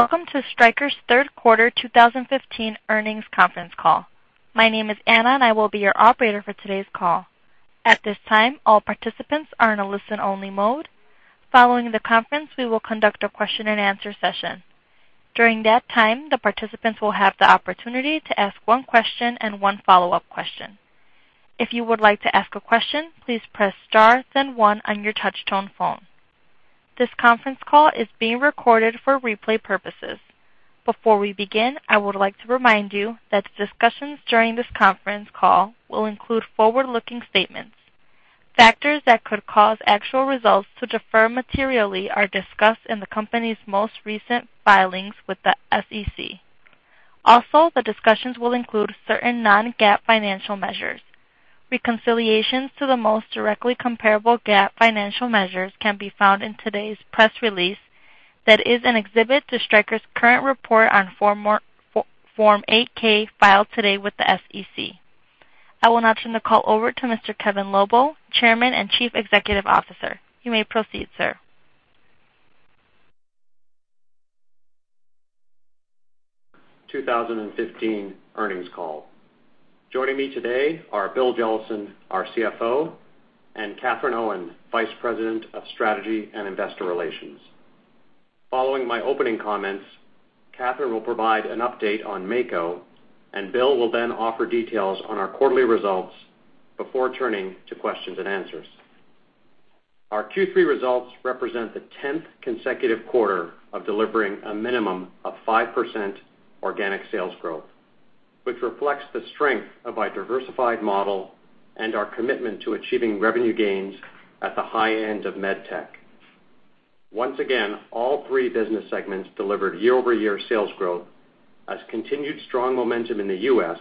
Welcome to Stryker's third quarter 2015 earnings conference call. My name is Anna and I will be your Operator for today's call. At this time, all participants are in a listen-only mode. Following the conference, we will conduct a question and answer session. During that time, the participants will have the opportunity to ask one question and one follow-up question. If you would like to ask a question, please press star then one on your touch tone phone. This conference call is being recorded for replay purposes. Before we begin, I would like to remind you that the discussions during this conference call will include forward-looking statements. Factors that could cause actual results to defer materially are discussed in the company's most recent filings with the SEC. Also, the discussions will include certain non-GAAP financial measures. Reconciliations to the most directly comparable GAAP financial measures can be found in today's press release that is an exhibit to Stryker's current report on form 8-K filed today with the SEC. I will now turn the call over to Mr. Kevin Lobo, Chairman and Chief Executive Officer. You may proceed, sir. 2015 earnings call. Joining me today are Bill Jellison, our CFO, and Katherine Owen, Vice President of Strategy and Investor Relations. Following my opening comments, Katherine will provide an update on Mako, Bill will then offer details on our quarterly results before turning to questions and answers. Our Q3 results represent the 10th consecutive quarter of delivering a minimum of 5% organic sales growth, which reflects the strength of our diversified model and our commitment to achieving revenue gains at the high end of med tech. Once again, all three business segments delivered year-over-year sales growth as continued strong momentum in the U.S.,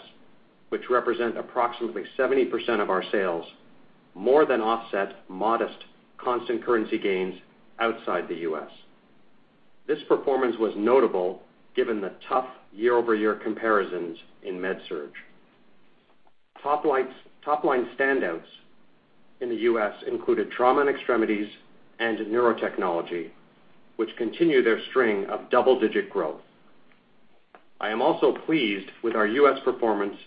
which represent approximately 70% of our sales, more than offset modest constant currency gains outside the U.S. This performance was notable given the tough year-over-year comparisons in MedSurg. Top-line standouts in the U.S. included Trauma and Extremities and Neurotechnology, which continue their string of double-digit growth. I am also pleased with our U.S. performance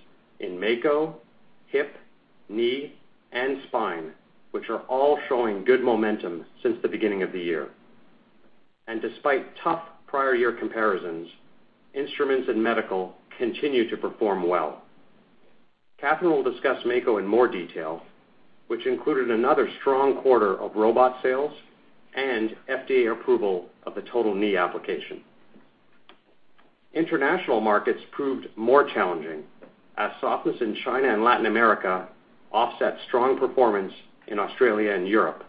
in Mako, hip, knee, and spine, which are all showing good momentum since the beginning of the year. Despite tough prior year comparisons, Instruments and Medical continue to perform well. Katherine will discuss Mako in more detail, which included another strong quarter of robot sales and FDA approval of the total knee application. International markets proved more challenging as softness in China and Latin America offset strong performance in Australia and Europe,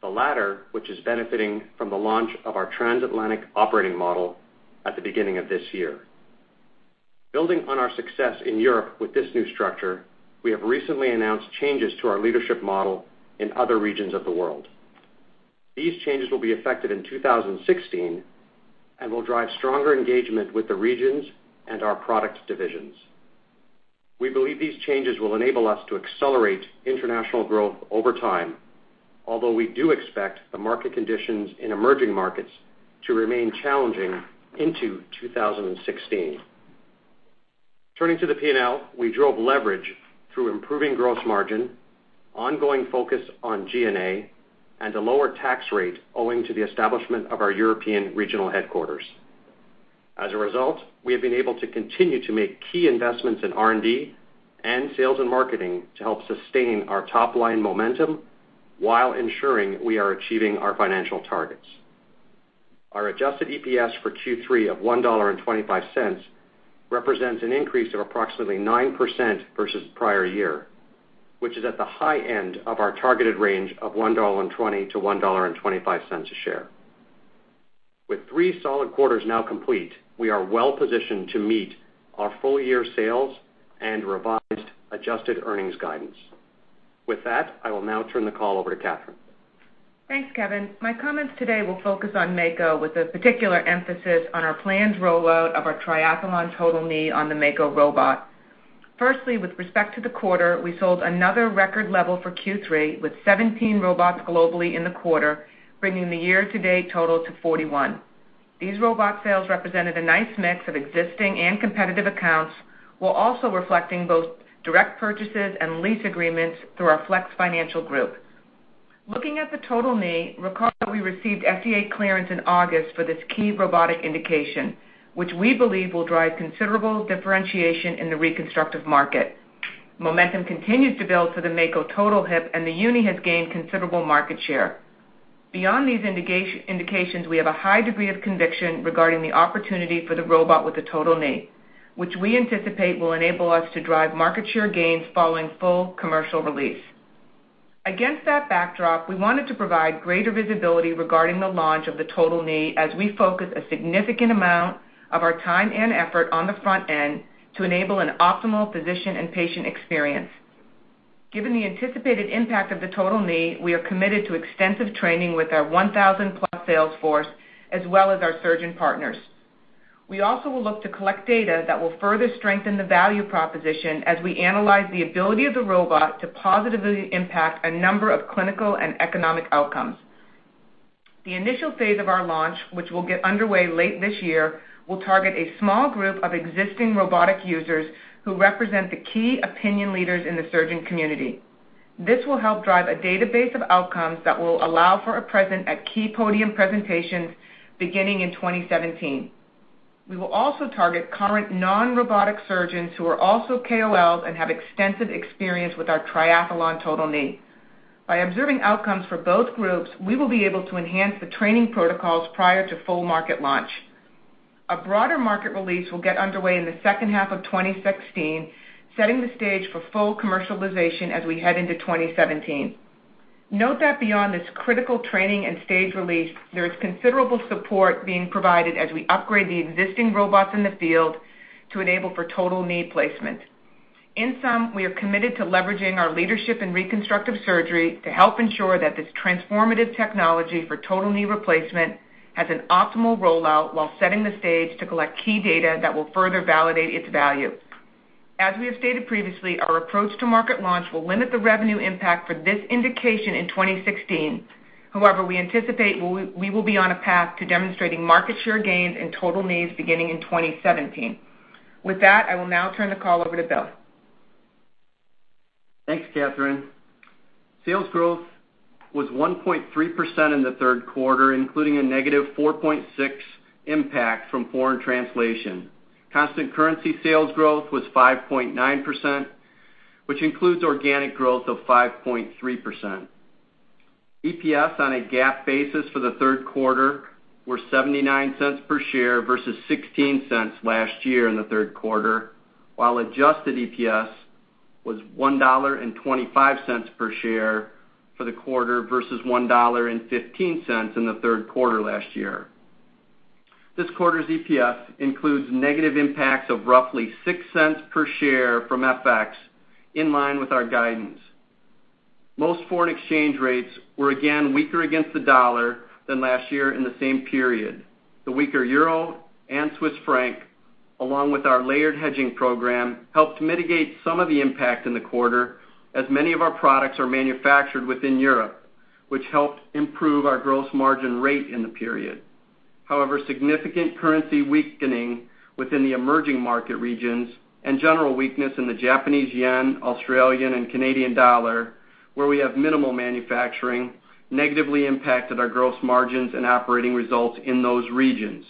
the latter which is benefiting from the launch of our Trans-Atlantic Operating Model at the beginning of this year. Building on our success in Europe with this new structure, we have recently announced changes to our leadership model in other regions of the world. These changes will be effective in 2016 and will drive stronger engagement with the regions and our product divisions. We believe these changes will enable us to accelerate international growth over time, although we do expect the market conditions in emerging markets to remain challenging into 2016. Turning to the P&L, we drove leverage through improving gross margin, ongoing focus on G&A, and a lower tax rate owing to the establishment of our European regional headquarters. As a result, we have been able to continue to make key investments in R&D and sales and marketing to help sustain our top-line momentum while ensuring we are achieving our financial targets. Our adjusted EPS for Q3 of $1.25 represents an increase of approximately 9% versus prior year, which is at the high end of our targeted range of $1.20-$1.25 a share. With three solid quarters now complete, we are well positioned to meet our full-year sales and revised adjusted earnings guidance. With that, I will now turn the call over to Katherine. Thanks, Kevin. My comments today will focus on Mako with a particular emphasis on our planned rollout of our Triathlon total knee on the Mako robot. Firstly, with respect to the quarter, we sold another record level for Q3 with 17 robots globally in the quarter, bringing the year-to-date total to 41. These robot sales represented a nice mix of existing and competitive accounts, while also reflecting both direct purchases and lease agreements through our Flex Financial Group. Looking at the total knee, recall that we received FDA clearance in August for this key robotic indication, which we believe will drive considerable differentiation in the reconstructive market. Momentum continues to build for the Mako total hip, and the uni has gained considerable market share. Beyond these indications, we have a high degree of conviction regarding the opportunity for the robot with the total knee, which we anticipate will enable us to drive market share gains following full commercial release. Against that backdrop, we wanted to provide greater visibility regarding the launch of the total knee as we focus a significant amount of our time and effort on the front end to enable an optimal physician and patient experience. Given the anticipated impact of the total knee, we are committed to extensive training with our 1,000-plus sales force as well as our surgeon partners. We also will look to collect data that will further strengthen the value proposition as we analyze the ability of the robot to positively impact a number of clinical and economic outcomes. The initial phase of our launch, which will get underway late this year, will target a small group of existing robotic users who represent the key opinion leaders in the surgeon community. This will help drive a database of outcomes that will allow for a presence at key podium presentations beginning in 2017. We will also target current non-robotic surgeons who are also KOLs and have extensive experience with our Triathlon total knee. By observing outcomes for both groups, we will be able to enhance the training protocols prior to full market launch. A broader market release will get underway in the second half of 2016, setting the stage for full commercialization as we head into 2017. Note that beyond this critical training and stage release, there is considerable support being provided as we upgrade the existing robots in the field to enable for total knee placement. In sum, we are committed to leveraging our leadership in reconstructive surgery to help ensure that this transformative technology for total knee replacement has an optimal rollout while setting the stage to collect key data that will further validate its value. As we have stated previously, our approach to market launch will limit the revenue impact for this indication in 2016. However, we anticipate we will be on a path to demonstrating market share gains and total knees beginning in 2017. With that, I will now turn the call over to Bill. Thanks, Katherine. Sales growth was 1.3% in the third quarter, including a negative 4.6% impact from foreign translation. Constant currency sales growth was 5.9%, which includes organic growth of 5.3%. EPS on a GAAP basis for the third quarter were $0.79 per share versus $0.16 last year in the third quarter, while adjusted EPS was $1.25 per share for the quarter versus $1.15 in the third quarter last year. This quarter's EPS includes negative impacts of roughly $0.06 per share from FX, in line with our guidance. Most foreign exchange rates were again weaker against the dollar than last year in the same period. The weaker euro and Swiss franc, along with our layered hedging program, helped mitigate some of the impact in the quarter, as many of our products are manufactured within Europe, which helped improve our gross margin rate in the period. Significant currency weakening within the emerging market regions and general weakness in the Japanese yen, Australian, and Canadian dollar, where we have minimal manufacturing, negatively impacted our gross margins and operating results in those regions.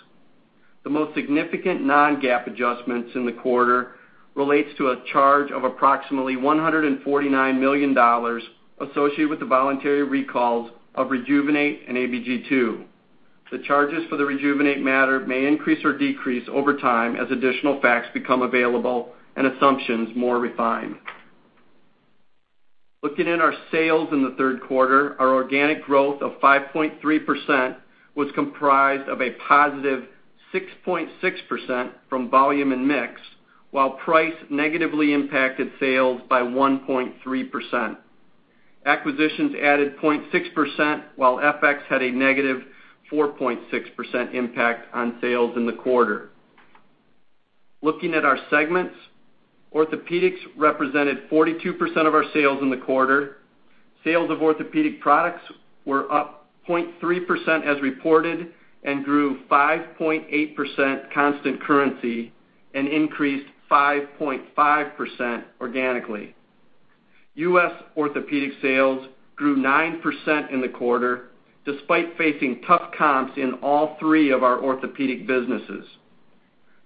The most significant non-GAAP adjustments in the quarter relates to a charge of approximately $149 million associated with the voluntary recalls of Rejuvenate and ABG II. The charges for the Rejuvenate matter may increase or decrease over time as additional facts become available and assumptions more refined. Looking at our sales in the third quarter, our organic growth of 5.3% was comprised of a positive 6.6% from volume and mix, while price negatively impacted sales by 1.3%. Acquisitions added 0.6%, while FX had a negative 4.6% impact on sales in the quarter. Looking at our segments, orthopedics represented 42% of our sales in the quarter. Sales of orthopedic products were up 0.3% as reported and grew 5.8% constant currency and increased 5.5% organically. U.S. orthopedic sales grew 9% in the quarter, despite facing tough comps in all three of our orthopedic businesses.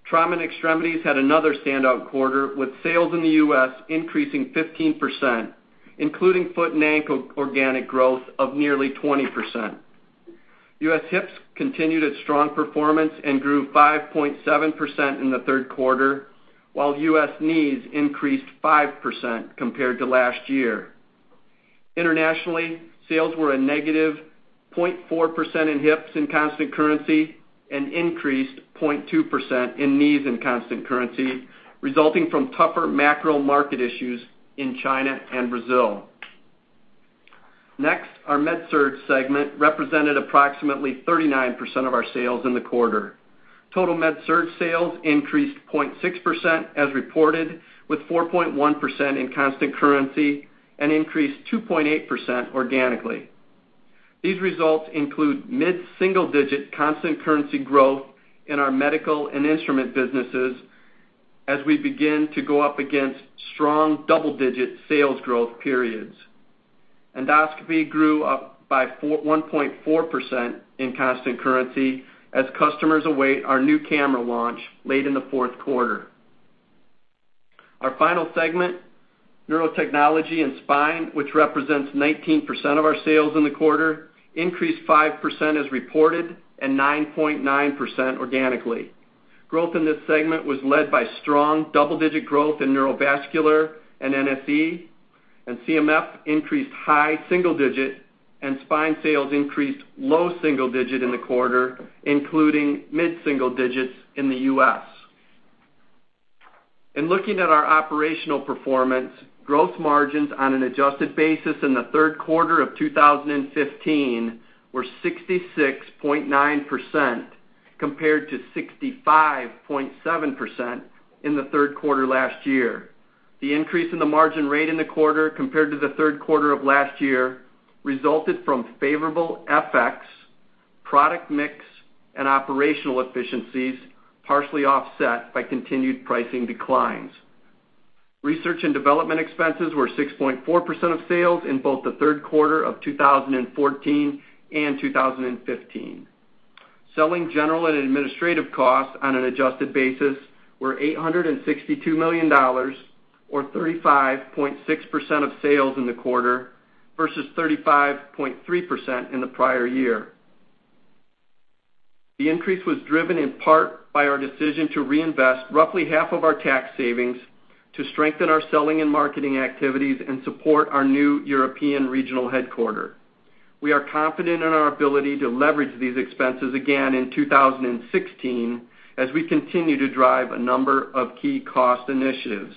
Trauma and Extremities had another standout quarter, with sales in the U.S. increasing 15%, including foot and ankle organic growth of nearly 20%. U.S. hips continued its strong performance and grew 5.7% in the third quarter, while U.S. knees increased 5% compared to last year. Internationally, sales were a negative 0.4% in hips in constant currency and increased 0.2% in knees in constant currency, resulting from tougher macro market issues in China and Brazil. Next, our MedSurg segment represented approximately 39% of our sales in the quarter. Total MedSurg sales increased 0.6% as reported, with 4.1% in constant currency and increased 2.8% organically. These results include mid-single-digit constant currency growth in our medical and instrument businesses as we begin to go up against strong double-digit sales growth periods. Endoscopy grew up by 1.4% in constant currency as customers await our new camera launch late in the fourth quarter. Our final segment, Neurotechnology and Spine, which represents 19% of our sales in the quarter, increased 5% as reported and 9.9% organically. Growth in this segment was led by strong double-digit growth in neurovascular and NSE, and CMF increased high single digit, and spine sales increased low single digit in the quarter, including mid-single digits in the U.S. In looking at our operational performance, gross margins on an adjusted basis in the third quarter of 2015 were 66.9%, compared to 65.7% in the third quarter last year. The increase in the margin rate in the quarter compared to the third quarter of last year resulted from favorable FX, product mix, and operational efficiencies, partially offset by continued pricing declines. Research and development expenses were 6.4% of sales in both the third quarter of 2014 and 2015. Selling, General & Administrative costs on an adjusted basis were $862 million, or 35.6% of sales in the quarter, versus 35.3% in the prior year. The increase was driven in part by our decision to reinvest roughly half of our tax savings to strengthen our selling and marketing activities and support our new European regional headquarter. We are confident in our ability to leverage these expenses again in 2016 as we continue to drive a number of key cost initiatives.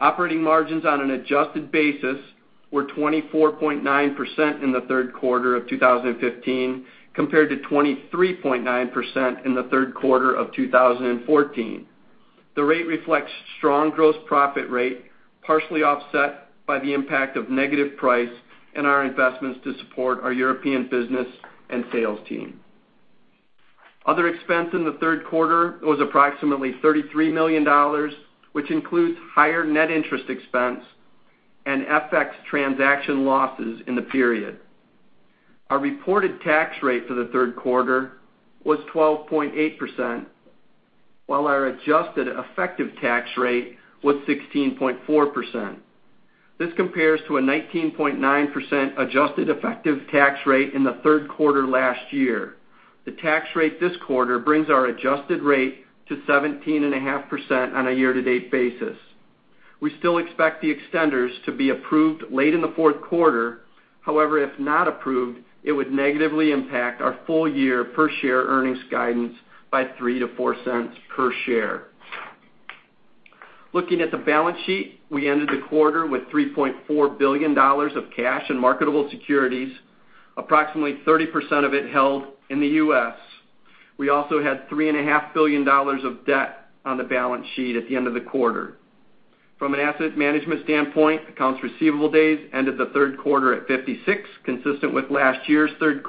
Operating margins on an adjusted basis were 24.9% in the third quarter of 2015, compared to 23.9% in the third quarter of 2014. The rate reflects strong gross profit rate, partially offset by the impact of negative price and our investments to support our European business and sales team. Other expense in the third quarter was approximately $33 million, which includes higher net interest expense and FX transaction losses in the period. Our reported tax rate for the third quarter was 12.8%, while our adjusted effective tax rate was 16.4%. This compares to a 19.9% adjusted effective tax rate in the third quarter last year. The tax rate this quarter brings our adjusted rate to 17.5% on a year-to-date basis. We still expect the extenders to be approved late in the fourth quarter. If not approved, it would negatively impact our full-year per share earnings guidance by $0.03-$0.04 per share. Looking at the balance sheet, we ended the quarter with $3.4 billion of cash in marketable securities, approximately 30% of it held in the U.S. We also had $3.5 billion of debt on the balance sheet at the end of the quarter. From an asset management standpoint, accounts receivable days ended the third quarter at 56, consistent with last year's third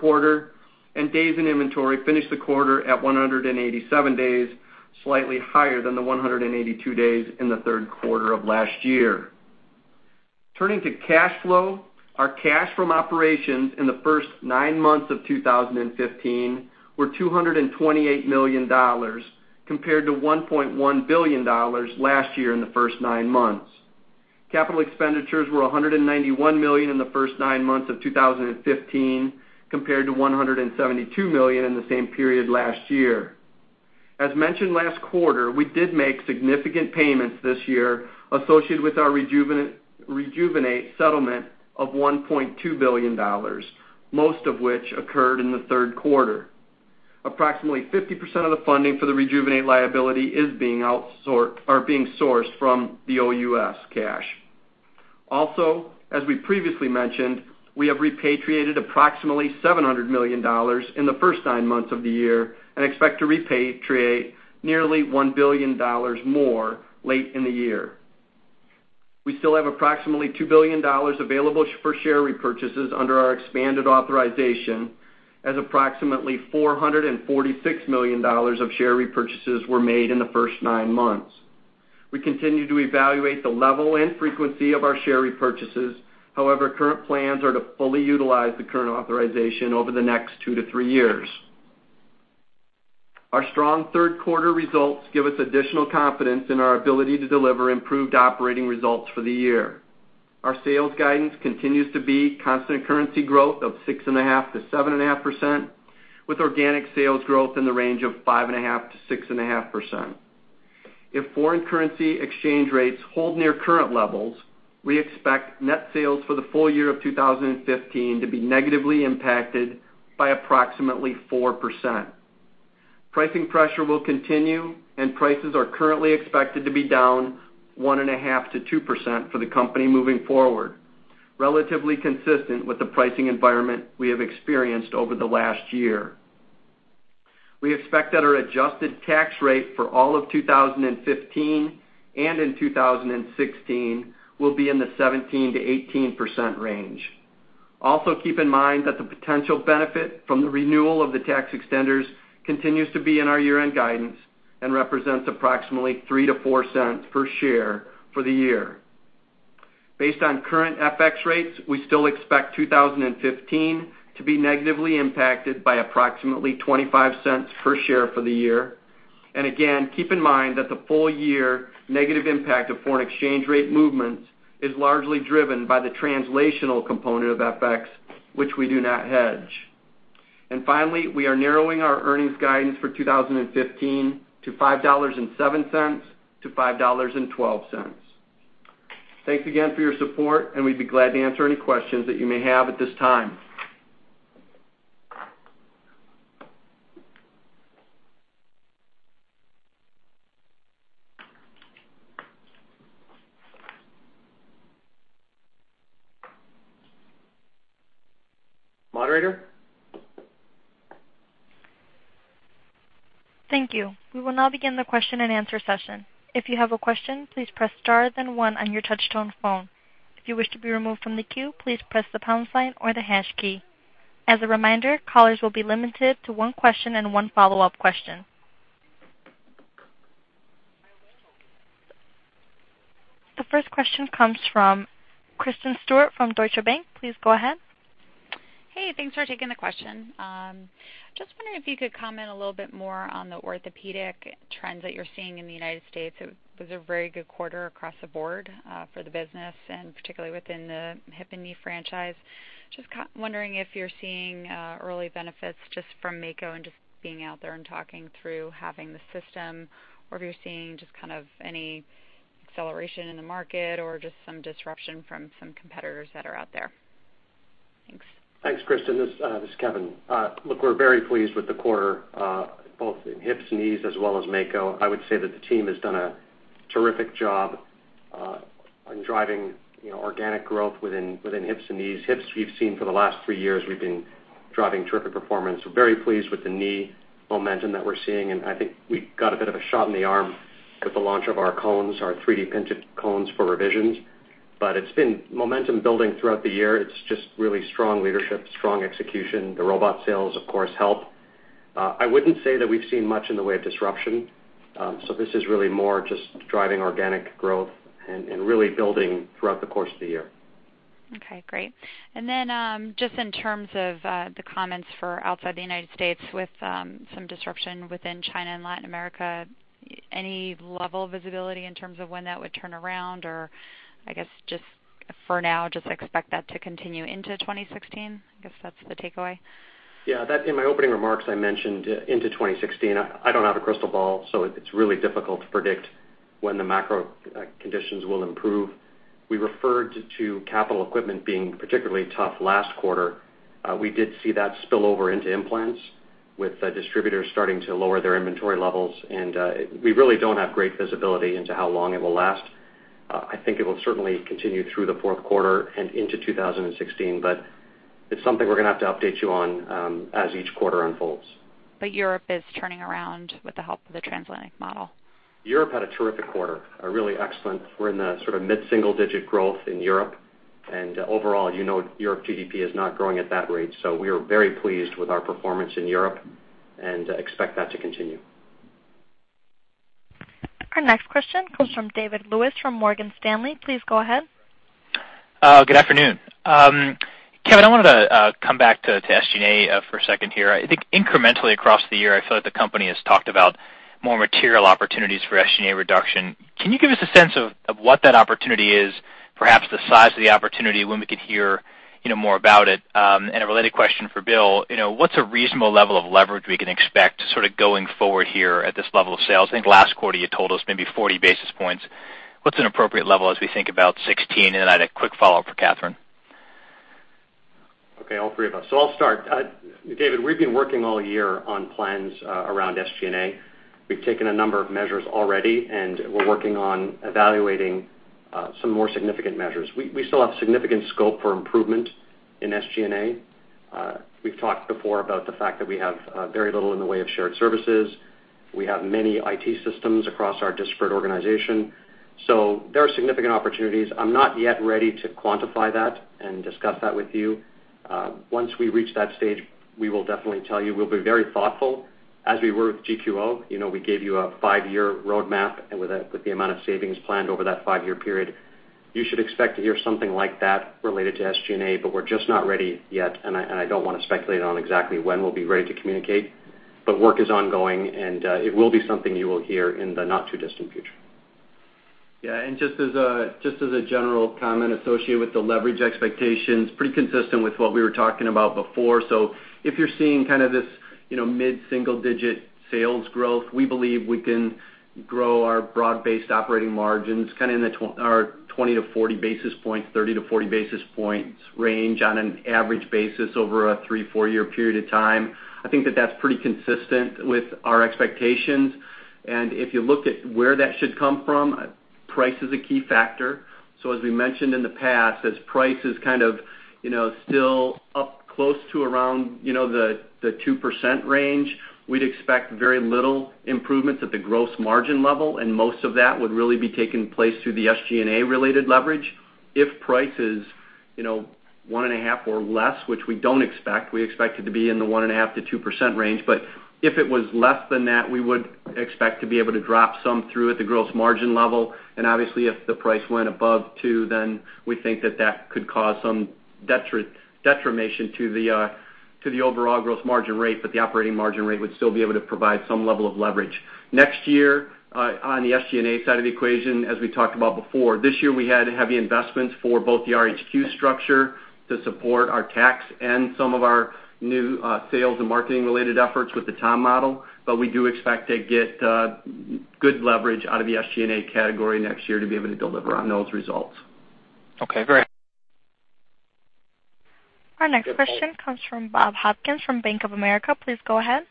quarter, and days in inventory finished the quarter at 187 days, slightly higher than the 182 days in the third quarter of last year. Turning to cash flow, our cash from operations in the first nine months of 2015 were $228 million, compared to $1.1 billion last year in the first nine months. Capital expenditures were $191 million in the first nine months of 2015, compared to $172 million in the same period last year. As mentioned last quarter, we did make significant payments this year associated with our Rejuvenate settlement of $1.2 billion, most of which occurred in the third quarter. Approximately 50% of the funding for the Rejuvenate liability is being sourced from the OUS cash. Also, as we previously mentioned, we have repatriated approximately $700 million in the first nine months of the year and expect to repatriate nearly $1 billion more late in the year. We still have approximately $2 billion available for share repurchases under our expanded authorization, as approximately $446 million of share repurchases were made in the first nine months. We continue to evaluate the level and frequency of our share repurchases. Current plans are to fully utilize the current authorization over the next two to three years. Our strong third quarter results give us additional confidence in our ability to deliver improved operating results for the year. Our sales guidance continues to be constant currency growth of 6.5%-7.5%, with organic sales growth in the range of 5.5%-6.5%. If foreign currency exchange rates hold near current levels, we expect net sales for the full year of 2015 to be negatively impacted by approximately 4%. Pricing pressure will continue, and prices are currently expected to be down 1.5%-2% for the company moving forward, relatively consistent with the pricing environment we have experienced over the last year. We expect that our adjusted tax rate for all of 2015 and in 2016 will be in the 17%-18% range. Keep in mind that the potential benefit from the renewal of the tax extenders continues to be in our year-end guidance and represents approximately $0.03-$0.04 per share for the year. Based on current FX rates, we still expect 2015 to be negatively impacted by approximately $0.25 per share for the year. Again, keep in mind that the full-year negative impact of foreign exchange rate movements is largely driven by the translational component of FX, which we do not hedge. Finally, we are narrowing our earnings guidance for 2015 to $5.07-$5.12. Thanks again for your support, and we'd be glad to answer any questions that you may have at this time. Moderator? Thank you. We will now begin the question and answer session. If you have a question, please press star then one on your touch-tone phone. If you wish to be removed from the queue, please press the pound sign or the hash key. As a reminder, callers will be limited to one question and one follow-up question. The first question comes from Kristen Stewart from Deutsche Bank. Please go ahead. Hey, thanks for taking the question. Just wondering if you could comment a little bit more on the orthopedic trends that you're seeing in the U.S. It was a very good quarter across the board for the business, and particularly within the hip and knee franchise. Just wondering if you're seeing early benefits just from Mako and just being out there and talking through having the system, or if you're seeing just kind of any acceleration in the market or just some disruption from some competitors that are out there. Thanks. Thanks, Kristen. This is Kevin. Look, we're very pleased with the quarter, both in hips and knees as well as Mako. I would say that the team has done a terrific job on driving organic growth within hips and knees. Hips, we've seen for the last three years we've been driving terrific performance. We're very pleased with the knee momentum that we're seeing, and I think we got a bit of a shot in the arm with the launch of our cones, our 3D-printed cones for revisions. It's been momentum building throughout the year. It's just really strong leadership, strong execution. The robot sales, of course, help. I wouldn't say that we've seen much in the way of disruption. This is really more just driving organic growth and really building throughout the course of the year. Okay, great. Just in terms of the comments for outside the U.S. with some disruption within China and Latin America, any level of visibility in terms of when that would turn around or I guess just for now, just expect that to continue into 2016? I guess that's the takeaway. Yeah, in my opening remarks, I mentioned into 2016. I don't have a crystal ball, so it's really difficult to predict when the macro conditions will improve. We referred to capital equipment being particularly tough last quarter. We did see that spill over into implants with distributors starting to lower their inventory levels, and we really don't have great visibility into how long it will last. I think it will certainly continue through the fourth quarter and into 2016, but it's something we're going to have to update you on as each quarter unfolds. Europe is turning around with the help of the Trans-Atlantic Operating Model. Europe had a terrific quarter, a really excellent. We're in the sort of mid-single-digit growth in Europe, and overall Europe GDP is not growing at that rate. We are very pleased with our performance in Europe and expect that to continue. Our next question comes from David Lewis from Morgan Stanley. Please go ahead. Good afternoon. Kevin, I wanted to come back to SG&A for a second here. I think incrementally across the year, I feel like the company has talked about more material opportunities for SG&A reduction. Can you give us a sense of what that opportunity is, perhaps the size of the opportunity, when we could hear more about it? A related question for Bill Jellison, what's a reasonable level of leverage we can expect sort of going forward here at this level of sales? I think last quarter you told us maybe 40 basis points. What's an appropriate level as we think about 2016? I had a quick follow-up for Katherine Owen. Okay, all three of us. I'll start. David, we've been working all year on plans around SG&A. We've taken a number of measures already, and we're working on evaluating some more significant measures. We still have significant scope for improvement in SG&A. We've talked before about the fact that we have very little in the way of shared services. We have many IT systems across our disparate organization, so there are significant opportunities. I'm not yet ready to quantify that and discuss that with you. Once we reach that stage, we will definitely tell you. We'll be very thoughtful as we were with GQO. We gave you a five-year roadmap and with the amount of savings planned over that five-year period. You should expect to hear something like that related to SG&A, but we're just not ready yet, and I don't want to speculate on exactly when we'll be ready to communicate. Work is ongoing, and it will be something you will hear in the not-too-distant future. Just as a general comment associated with the leverage expectations, pretty consistent with what we were talking about before. If you're seeing kind of this mid-single-digit sales growth, we believe we can grow our broad-based operating margins kind of in the 20 to 40 basis points, 30 to 40 basis points range on an average basis over a three, four-year period of time. I think that that's pretty consistent with our expectations. If you looked at where that should come from, price is a key factor. As we mentioned in the past, as price is kind of still up close to around the 2% range, we'd expect very little improvements at the gross margin level, and most of that would really be taking place through the SG&A-related leverage. If price is 1.5% or less, which we don't expect, we expect it to be in the 1.5%-2% range, but if it was less than that, we would expect to be able to drop some through at the gross margin level. Obviously, if the price went above 2%, we think that that could cause some detriment to the overall gross margin rate, but the operating margin rate would still be able to provide some level of leverage. Next year, on the SG&A side of the equation, as we talked about before, this year we had heavy investments for both the RHQ structure to support our tax and some of our new sales and marketing-related efforts with the TOM model. We do expect to get good leverage out of the SG&A category next year to be able to deliver on those results. Okay, great. Our next question comes from Bob Hopkins from Bank of America. Please go ahead.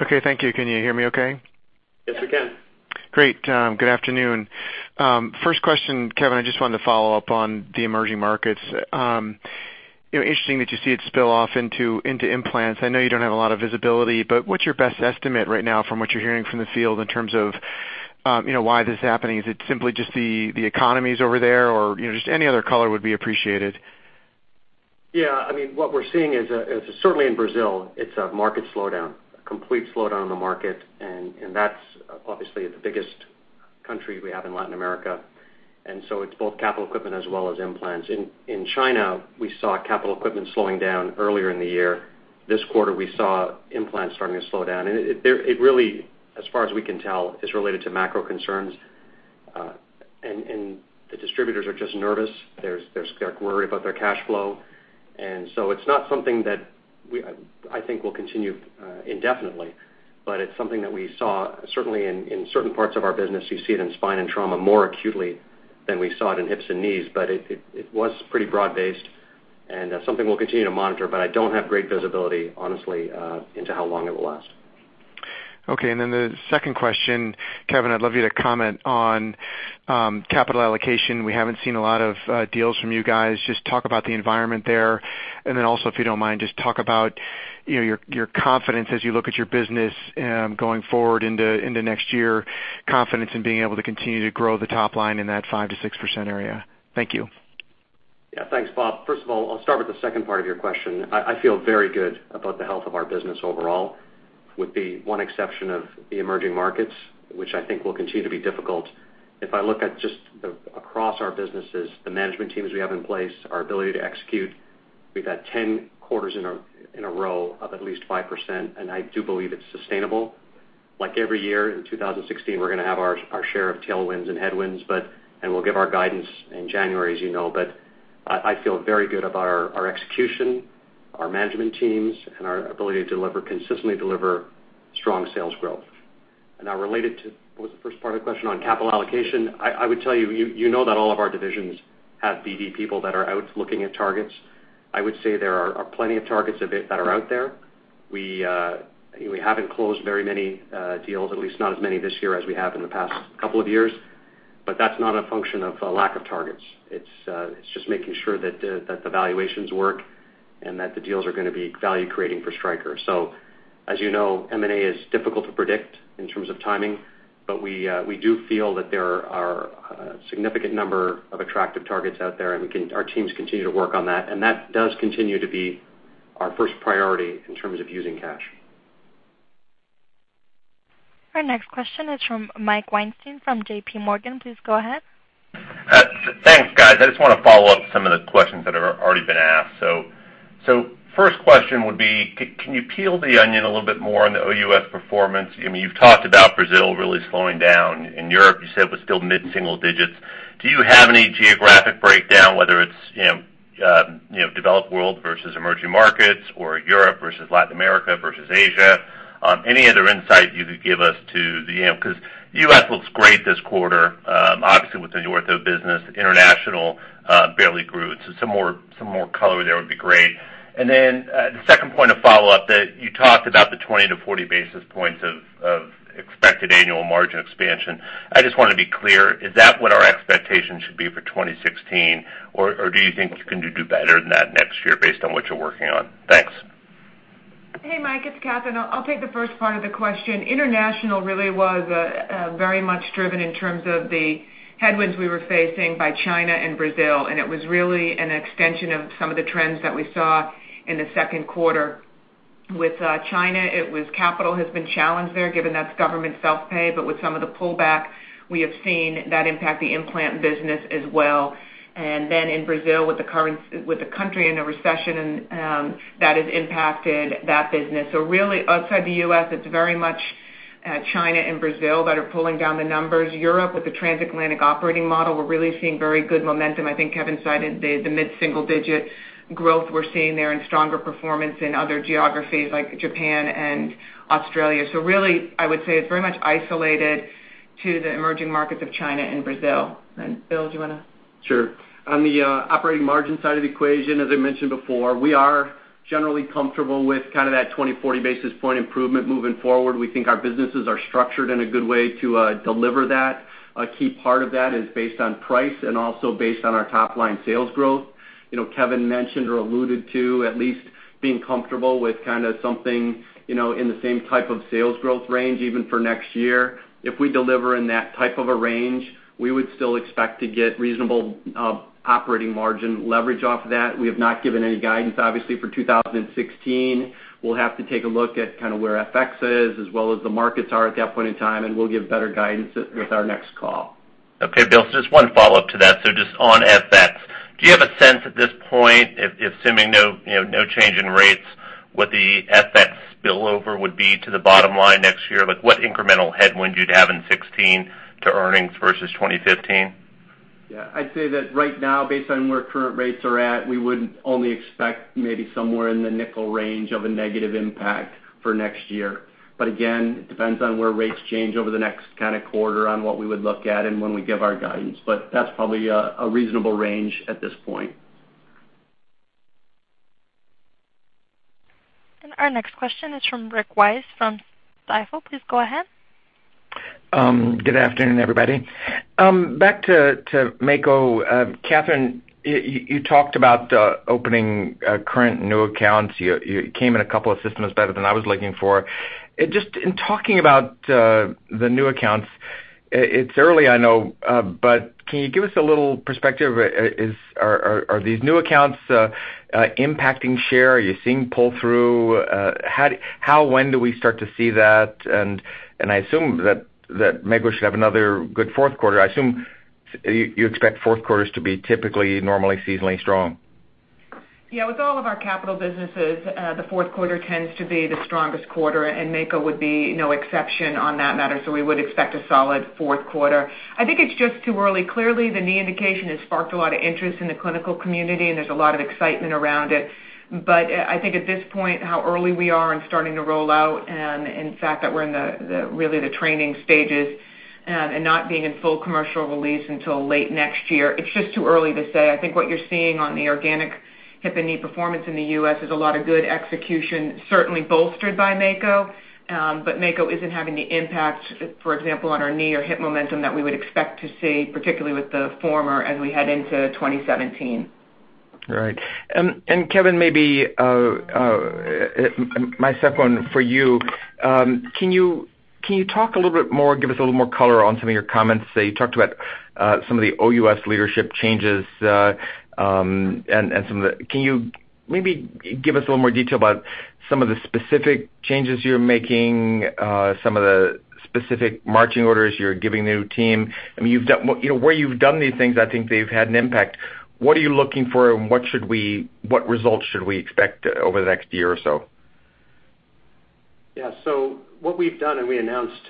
Okay, thank you. Can you hear me okay? Yes, we can. Great. Good afternoon. First question, Kevin, I just wanted to follow up on the emerging markets. Interesting that you see it spill off into implants. I know you don't have a lot of visibility, but what's your best estimate right now from what you're hearing from the field in terms of why this is happening? Is it simply just the economies over there or just any other color would be appreciated. Yeah, what we're seeing is, certainly in Brazil, it's a market slowdown, a complete slowdown in the market, and that's obviously the biggest country we have in Latin America. It's both capital equipment as well as implants. In China, we saw capital equipment slowing down earlier in the year. This quarter, we saw implants starting to slow down. It really, as far as we can tell, is related to macro concerns. The distributors are just nervous. They're worried about their cash flow. It's not something that I think will continue indefinitely, but it's something that we saw, certainly in certain parts of our business, you see it in spine and trauma more acutely than we saw it in hips and knees. It was pretty broad-based and something we'll continue to monitor. I don't have great visibility, honestly, into how long it will last. Okay. The second question, Kevin, I'd love you to comment on capital allocation. We haven't seen a lot of deals from you guys. Talk about the environment there. Also, if you don't mind, talk about your confidence as you look at your business going forward into next year, confidence in being able to continue to grow the top line in that 5%-6% area. Thank you. Yeah. Thanks, Bob. First of all, I'll start with the second part of your question. I feel very good about the health of our business overall, with the one exception of the emerging markets, which I think will continue to be difficult. If I look at across our businesses, the management teams we have in place, our ability to execute, we've had 10 quarters in a row of at least 5%, and I do believe it's sustainable. Like every year, in 2016, we're going to have our share of tailwinds and headwinds, we'll give our guidance in January, as you know. I feel very good about our execution, our management teams, and our ability to consistently deliver strong sales growth. Now related to, what was the first part of the question, on capital allocation? I would tell you know that all of our divisions have BD people that are out looking at targets. I would say there are plenty of targets that are out there. We haven't closed very many deals, at least not as many this year as we have in the past couple of years. That's not a function of a lack of targets. It's making sure that the valuations work and that the deals are going to be value-creating for Stryker. As you know, M&A is difficult to predict in terms of timing, we do feel that there are a significant number of attractive targets out there, and our teams continue to work on that, and that does continue to be our first priority in terms of using cash. Our next question is from Mike Weinstein from JP Morgan. Please go ahead. Thanks, guys. I just want to follow up some of the questions that have already been asked. First question would be, can you peel the onion a little bit more on the OUS performance? You've talked about Brazil really slowing down. In Europe, you said it was still mid-single-digits. Do you have any geographic breakdown, whether it's developed world versus emerging markets or Europe versus Latin America versus Asia? Any other insight you could give us to the because U.S. looks great this quarter. Obviously, with the ortho business, international barely grew. Some more color there would be great. The second point of follow-up that you talked about the 20-40 basis points of expected annual margin expansion. I just want to be clear, is that what our expectation should be for 2016? Do you think you can do better than that next year based on what you're working on? Thanks. Hey, Mike, it's Katherine. I'll take the first part of the question. International really was very much driven in terms of the headwinds we were facing by China and Brazil, it was really an extension of some of the trends that we saw in the second quarter. With China, it was capital has been challenged there, given that's government self-pay. With some of the pullback, we have seen that impact the implant business as well. In Brazil, with the country in a recession, that has impacted that business. Really outside the U.S., it's very much China and Brazil that are pulling down the numbers. Europe with the Trans-Atlantic Operating Model, we're really seeing very good momentum. I think Kevin cited the mid-single-digit growth we're seeing there and stronger performance in other geographies like Japan and Australia. Really, I would say it's very much isolated to the emerging markets of China and Brazil. Bill, do you want to? Sure. On the operating margin side of the equation, as I mentioned before, we are generally comfortable with that 20-40 basis point improvement moving forward. We think our businesses are structured in a good way to deliver that. A key part of that is based on price and also based on our top-line sales growth. Kevin mentioned or alluded to at least being comfortable with something in the same type of sales growth range even for next year. If we deliver in that type of a range, we would still expect to get reasonable operating margin leverage off of that. We have not given any guidance, obviously, for 2016. We'll have to take a look at where FX is, as well as the markets are at that point in time, and we'll give better guidance with our next call. Okay, Bill, just one follow-up to that. Just on FX. Do you have a sense at this point, assuming no change in rates, what the FX spillover would be to the bottom line next year? What incremental headwind you'd have in 2016 to earnings versus 2015? Yeah. I'd say that right now, based on where current rates are at, we would only expect maybe somewhere in the $0.05 range of a negative impact for next year. Again, it depends on where rates change over the next quarter on what we would look at and when we give our guidance. That's probably a reasonable range at this point. Our next question is from Rick Wise from Stifel. Please go ahead. Good afternoon, everybody. Back to Mako. Katherine, you talked about opening current new accounts. You came in a couple of systems better than I was looking for. Just in talking about the new accounts, it's early, I know, but can you give us a little perspective? Are these new accounts impacting share? Are you seeing pull-through? How, when do we start to see that? I assume that Mako should have another good Fourth Quarter. I assume you expect Fourth Quarters to be typically, normally, seasonally strong. Yeah. With all of our capital businesses, the Fourth Quarter tends to be the strongest quarter, Mako would be no exception on that matter. We would expect a solid Fourth Quarter. I think it's just too early. Clearly, the knee indication has sparked a lot of interest in the clinical community, and there's a lot of excitement around it. I think at this point, how early we are in starting to roll out and in fact, that we're in the really the training stages and not being in full commercial release until late next year, it's just too early to say. I think what you're seeing on the organic hip and knee performance in the U.S. is a lot of good execution, certainly bolstered by Mako. Mako isn't having the impact, for example, on our knee or hip momentum that we would expect to see, particularly with the former as we head into 2017. Right. Kevin, maybe, my second one for you. Can you talk a little bit more, give us a little more color on some of your comments today? You talked about some of the OUS leadership changes, can you maybe give us a little more detail about some of the specific changes you're making, some of the specific marching orders you're giving the new team? Where you've done these things, I think they've had an impact. What are you looking for and what results should we expect over the next year or so? Yeah. What we've done, we announced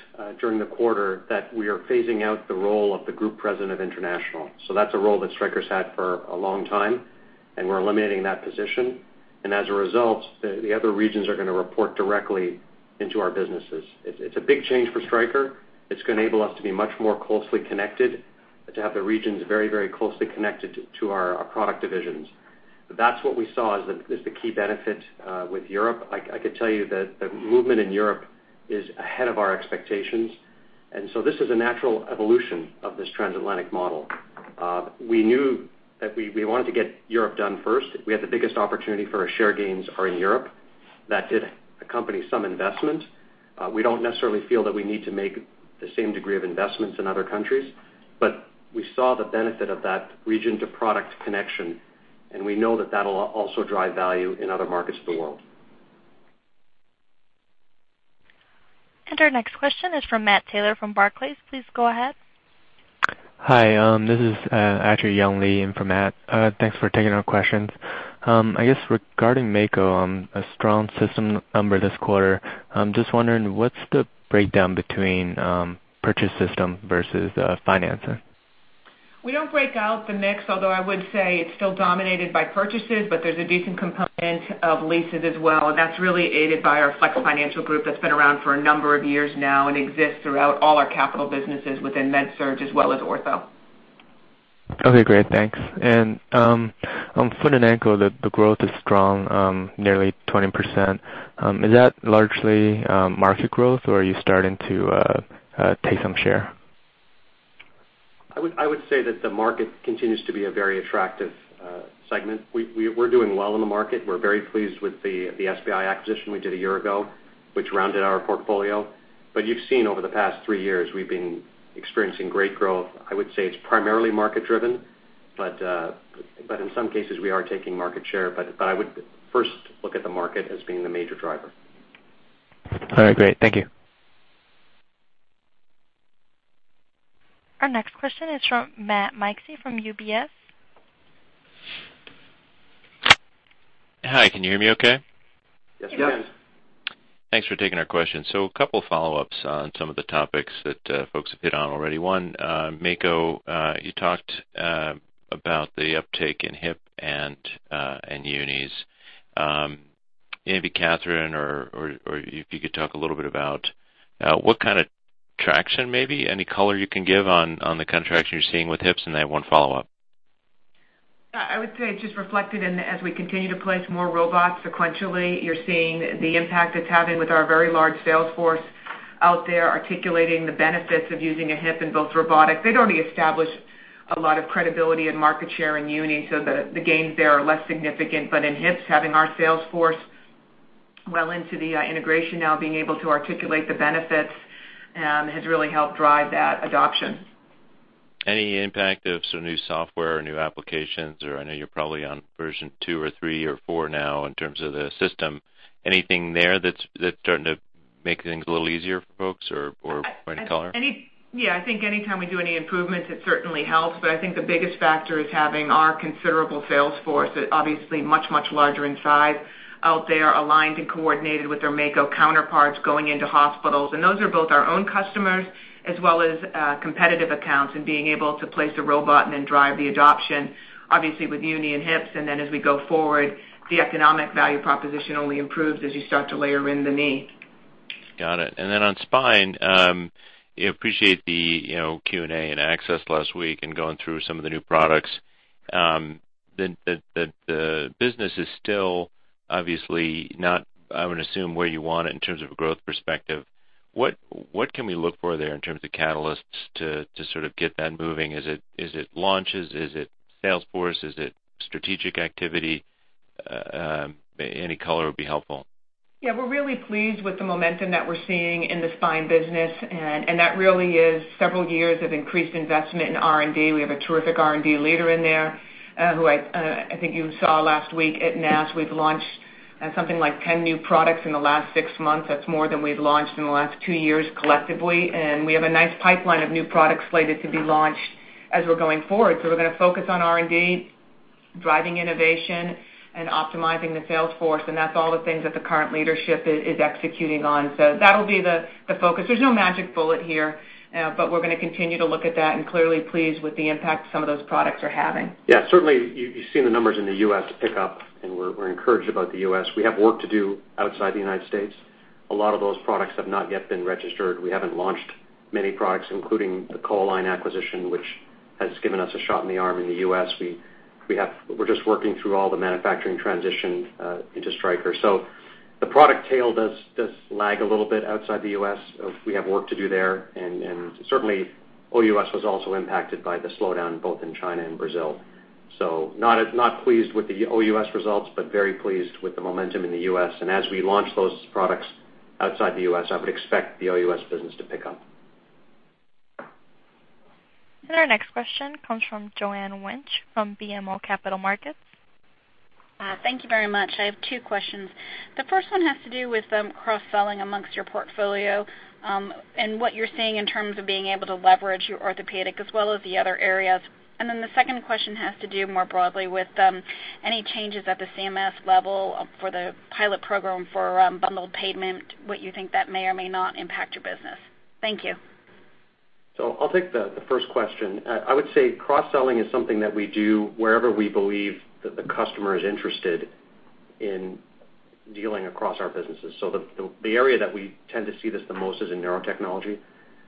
during the quarter, that we are phasing out the role of the group president of international. That's a role that Stryker's had for a long time, and we're eliminating that position. As a result, the other regions are going to report directly into our businesses. It's a big change for Stryker. It's going to enable us to be much more closely connected and to have the regions very closely connected to our product divisions. That's what we saw as the key benefit with Europe. I could tell you that the movement in Europe is ahead of our expectations, this is a natural evolution of this Trans-Atlantic Operating Model. We knew that we wanted to get Europe done first. We had the biggest opportunity for our share gains are in Europe. That did accompany some investment. We don't necessarily feel that we need to make the same degree of investments in other countries, we saw the benefit of that region to product connection, and we know that'll also drive value in other markets of the world. Our next question is from Matt Taylor from Barclays. Please go ahead. Hi, this is actually Young Lee in for Matt. Thanks for taking our questions. I guess regarding Mako, a strong system number this quarter, I'm just wondering, what's the breakdown between purchase system versus financing? We don't break out the mix, although I would say it's still dominated by purchases, but there's a decent component of leases as well, and that's really aided by our Flex Financial group that's been around for a number of years now and exists throughout all our capital businesses within MedSurg as well as Ortho. Okay, great. Thanks. On foot and ankle, the growth is strong, nearly 20%. Is that largely market growth, or are you starting to take some share? I would say that the market continues to be a very attractive segment. We're doing well in the market. We're very pleased with the SBI acquisition we did a year ago, which rounded our portfolio. You've seen over the past three years, we've been experiencing great growth. I would say it's primarily market-driven, but in some cases, we are taking market share. I would first look at the market as being the major driver. All right, great. Thank you. Our next question is from Matthew Miksic from UBS. Hi, can you hear me okay? Yes, we can. Yes. Thanks for taking our question. A couple of follow-ups on some of the topics that folks have hit on already. One, Mako, you talked about the uptake in hip and unis. Maybe Katherine, or if you could talk a little bit about what kind of traction, maybe any color you can give on the kind of traction you're seeing with hips, and I have one follow-up. I would say it's just reflected. As we continue to place more robots sequentially, you're seeing the impact it's having with our very large sales force out there articulating the benefits of using a hip in both robotics. They'd already established a lot of credibility and market share in uni, so the gains there are less significant. In hips, having our sales force well into the integration now, being able to articulate the benefits has really helped drive that adoption. Any impact of some new software or new applications? I know you're probably on version 2 or 3 or 4 now in terms of the system. Anything there that's starting to make things a little easier for folks or point of color? Yeah. I think anytime we do any improvements, it certainly helps. I think the biggest factor is having our considerable sales force that obviously much, much larger in size out there, aligned and coordinated with their Mako counterparts going into hospitals. Those are both our own customers as well as competitive accounts and being able to place a robot and then drive the adoption, obviously, with uni and hips. Then as we go forward, the economic value proposition only improves as you start to layer in the knee. Got it. Then on spine, I appreciate the Q&A and access last week and going through some of the new products. The business is still obviously not, I would assume, where you want it in terms of a growth perspective. What can we look for there in terms of catalysts to sort of get that moving? Is it launches? Is it sales force? Is it strategic activity? Any color would be helpful. Yeah. We're really pleased with the momentum that we're seeing in the spine business, and that really is several years of increased investment in R&D. We have a terrific R&D leader in there, who I think you saw last week at NASS. We've launched something like 10 new products in the last six months. That's more than we've launched in the last two years collectively, and we have a nice pipeline of new products slated to be launched as we're going forward. We're going to focus on R&D, driving innovation and optimizing the sales force, and that's all the things that the current leadership is executing on. That'll be the focus. There's no magic bullet here, we're going to continue to look at that and clearly pleased with the impact some of those products are having. Yeah, certainly, you've seen the numbers in the U.S. pick up, and we're encouraged about the U.S. We have work to do outside the United States. A lot of those products have not yet been registered. We haven't launched many products, including the CoAlign acquisition, which has given us a shot in the arm in the U.S. We're just working through all the manufacturing transition into Stryker. The product tail does lag a little bit outside the U.S. We have work to do there, and certainly OUS was also impacted by the slowdown both in China and Brazil. Not pleased with the OUS results, but very pleased with the momentum in the U.S. As we launch those products outside the U.S., I would expect the OUS business to pick up. Our next question comes from Joanne Wuensch from BMO Capital Markets. Thank you very much. I have two questions. The first one has to do with cross-selling amongst your portfolio, and what you're seeing in terms of being able to leverage your orthopedic as well as the other areas. The second question has to do more broadly with any changes at the CMS level for the pilot program for bundled payment, what you think that may or may not impact your business. Thank you. I'll take the first question. I would say cross-selling is something that we do wherever we believe that the customer is interested in dealing across our businesses. The area that we tend to see this the most is in Neurotechnology,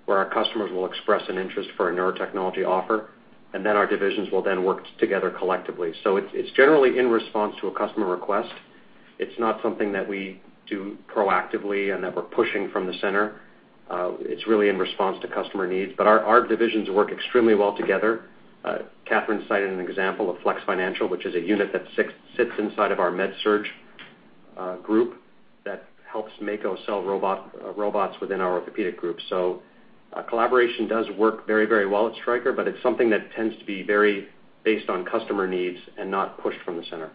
where our customers will express an interest for a Neurotechnology offer, and then our divisions will then work together collectively. It's generally in response to a customer request. It's not something that we do proactively and that we're pushing from the center. It's really in response to customer needs. Our divisions work extremely well together. Katherine cited an example of Flex Financial, which is a unit that sits inside of our MedSurg group that helps Mako sell robots within our orthopedic group. Collaboration does work very well at Stryker, it's something that tends to be very based on customer needs and not pushed from the center.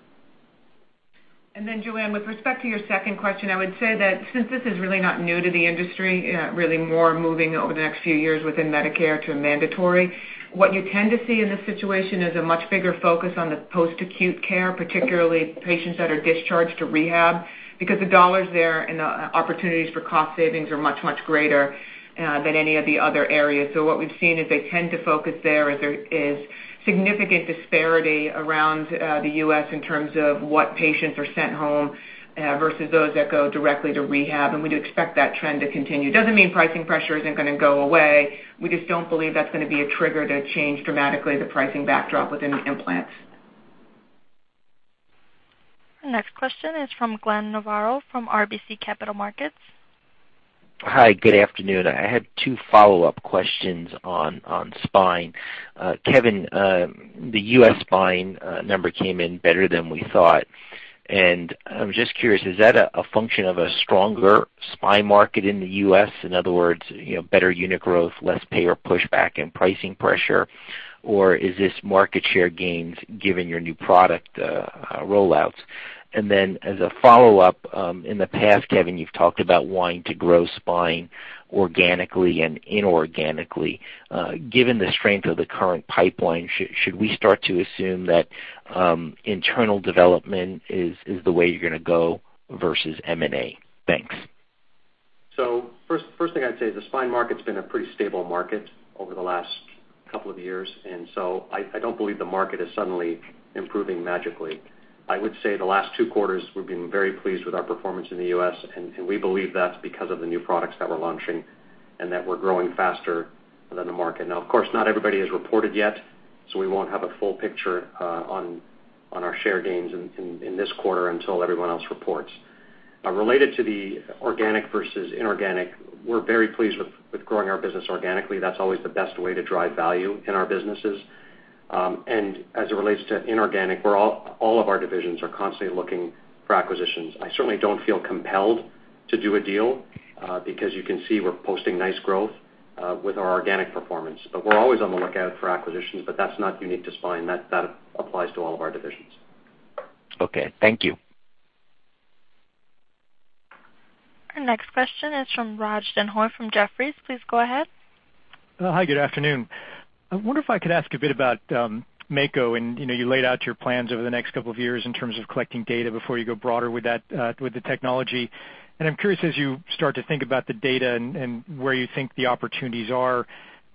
Joanne, with respect to your second question, I would say that since this is really not new to the industry, really more moving over the next few years within Medicare to a mandatory, what you tend to see in this situation is a much bigger focus on the post-acute care, particularly patients that are discharged to rehab, because the $ there and the opportunities for cost savings are much, much greater than any of the other areas. What we've seen is they tend to focus there as there is significant disparity around the U.S. in terms of what patients are sent home versus those that go directly to rehab, and we do expect that trend to continue. It doesn't mean pricing pressure isn't going to go away. We just don't believe that's going to be a trigger to change dramatically the pricing backdrop within implants. The next question is from Glenn Novarro from RBC Capital Markets. Hi, good afternoon. I had two follow-up questions on spine. Kevin, the U.S. spine number came in better than we thought. I was just curious, is that a function of a stronger spine market in the U.S.? In other words, better unit growth, less payer pushback and pricing pressure, or is this market share gains given your new product rollouts? As a follow-up, in the past, Kevin, you've talked about wanting to grow spine organically and inorganically. Given the strength of the current pipeline, should we start to assume that internal development is the way you're going to go versus M&A? Thanks. First thing I'd say, the spine market's been a pretty stable market over the last couple of years. I don't believe the market is suddenly improving magically. I would say the last two quarters, we've been very pleased with our performance in the U.S. We believe that's because of the new products that we're launching and that we're growing faster than the market. Of course, not everybody has reported yet. We won't have a full picture on our share gains in this quarter until everyone else reports. Related to the organic versus inorganic, we're very pleased with growing our business organically. That's always the best way to drive value in our businesses. As it relates to inorganic, all of our divisions are constantly looking for acquisitions. I certainly don't feel compelled to do a deal because you can see we're posting nice growth with our organic performance. We're always on the lookout for acquisitions, but that's not unique to spine. That applies to all of our divisions. Okay. Thank you. Our next question is from Raj Denhoy from Jefferies. Please go ahead. Hi, good afternoon. I wonder if I could ask a bit about Mako and you laid out your plans over the next couple of years in terms of collecting data before you go broader with the technology. I'm curious as you start to think about the data and where you think the opportunities are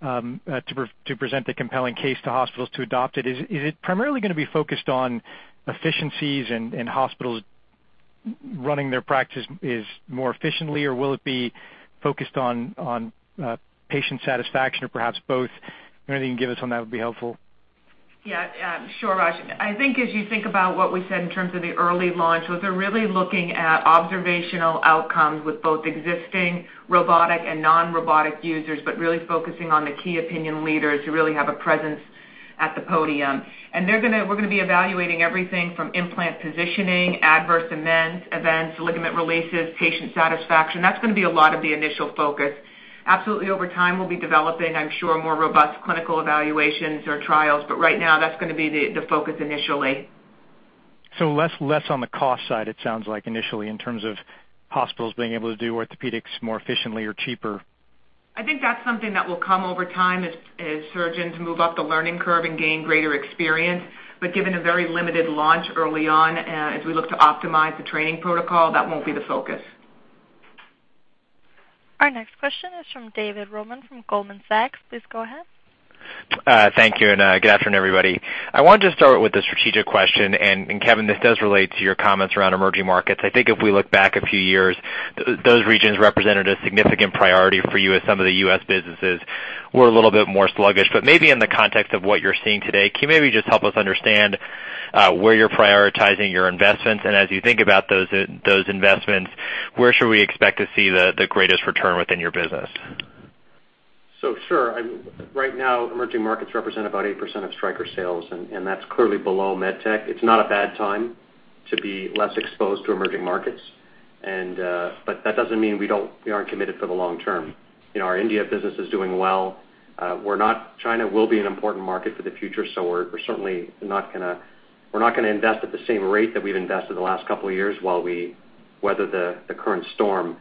to present the compelling case to hospitals to adopt it, is it primarily going to be focused on efficiencies and hospitals running their practice is more efficiently, or will it be focused on patient satisfaction or perhaps both? Anything you can give us on that would be helpful. Yeah. Sure, Raj. I think as you think about what we said in terms of the early launch, so they're really looking at observational outcomes with both existing robotic and non-robotic users, but really focusing on the key opinion leaders who really have a presence at the podium. We're going to be evaluating everything from implant positioning, adverse events, ligament releases, patient satisfaction. That's going to be a lot of the initial focus. Absolutely over time, we'll be developing, I'm sure, more robust clinical evaluations or trials, but right now that's going to be the focus initially. Less on the cost side, it sounds like initially, in terms of hospitals being able to do orthopedics more efficiently or cheaper. I think that's something that will come over time as surgeons move up the learning curve and gain greater experience, but given a very limited launch early on, as we look to optimize the training protocol, that won't be the focus. Our next question is from David Roman of Goldman Sachs. Please go ahead. Thank you, and good afternoon, everybody. I wanted to start with a strategic question. Kevin, this does relate to your comments around emerging markets. I think if we look back a few years, those regions represented a significant priority for you as some of the U.S. businesses were a little bit more sluggish. Maybe in the context of what you're seeing today, can you maybe just help us understand where you're prioritizing your investments? As you think about those investments, where should we expect to see the greatest return within your business? Sure. Right now, emerging markets represent about 8% of Stryker sales, and that's clearly below med tech. It's not a bad time to be less exposed to emerging markets. That doesn't mean we aren't committed for the long term. Our India business is doing well. China will be an important market for the future, we're not going to invest at the same rate that we've invested the last couple of years while we weather the current storm.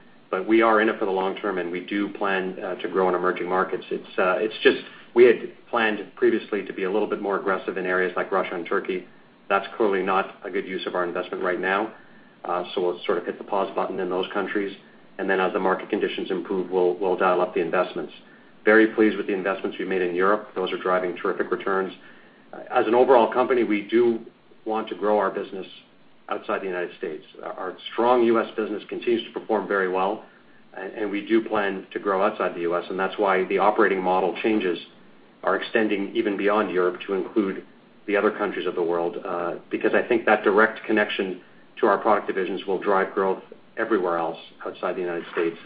We are in it for the long term, and we do plan to grow in emerging markets. It's just we had planned previously to be a little bit more aggressive in areas like Russia and Turkey. That's clearly not a good use of our investment right now. We'll sort of hit the pause button in those countries, then as the market conditions improve, we'll dial up the investments. Very pleased with the investments we've made in Europe. Those are driving terrific returns. As an overall company, we do want to grow our business outside the United States. Our strong U.S. business continues to perform very well, we do plan to grow outside the U.S., and that's why the operating model changes are extending even beyond Europe to include the other countries of the world. I think that direct connection to our product divisions will drive growth everywhere else outside the United States,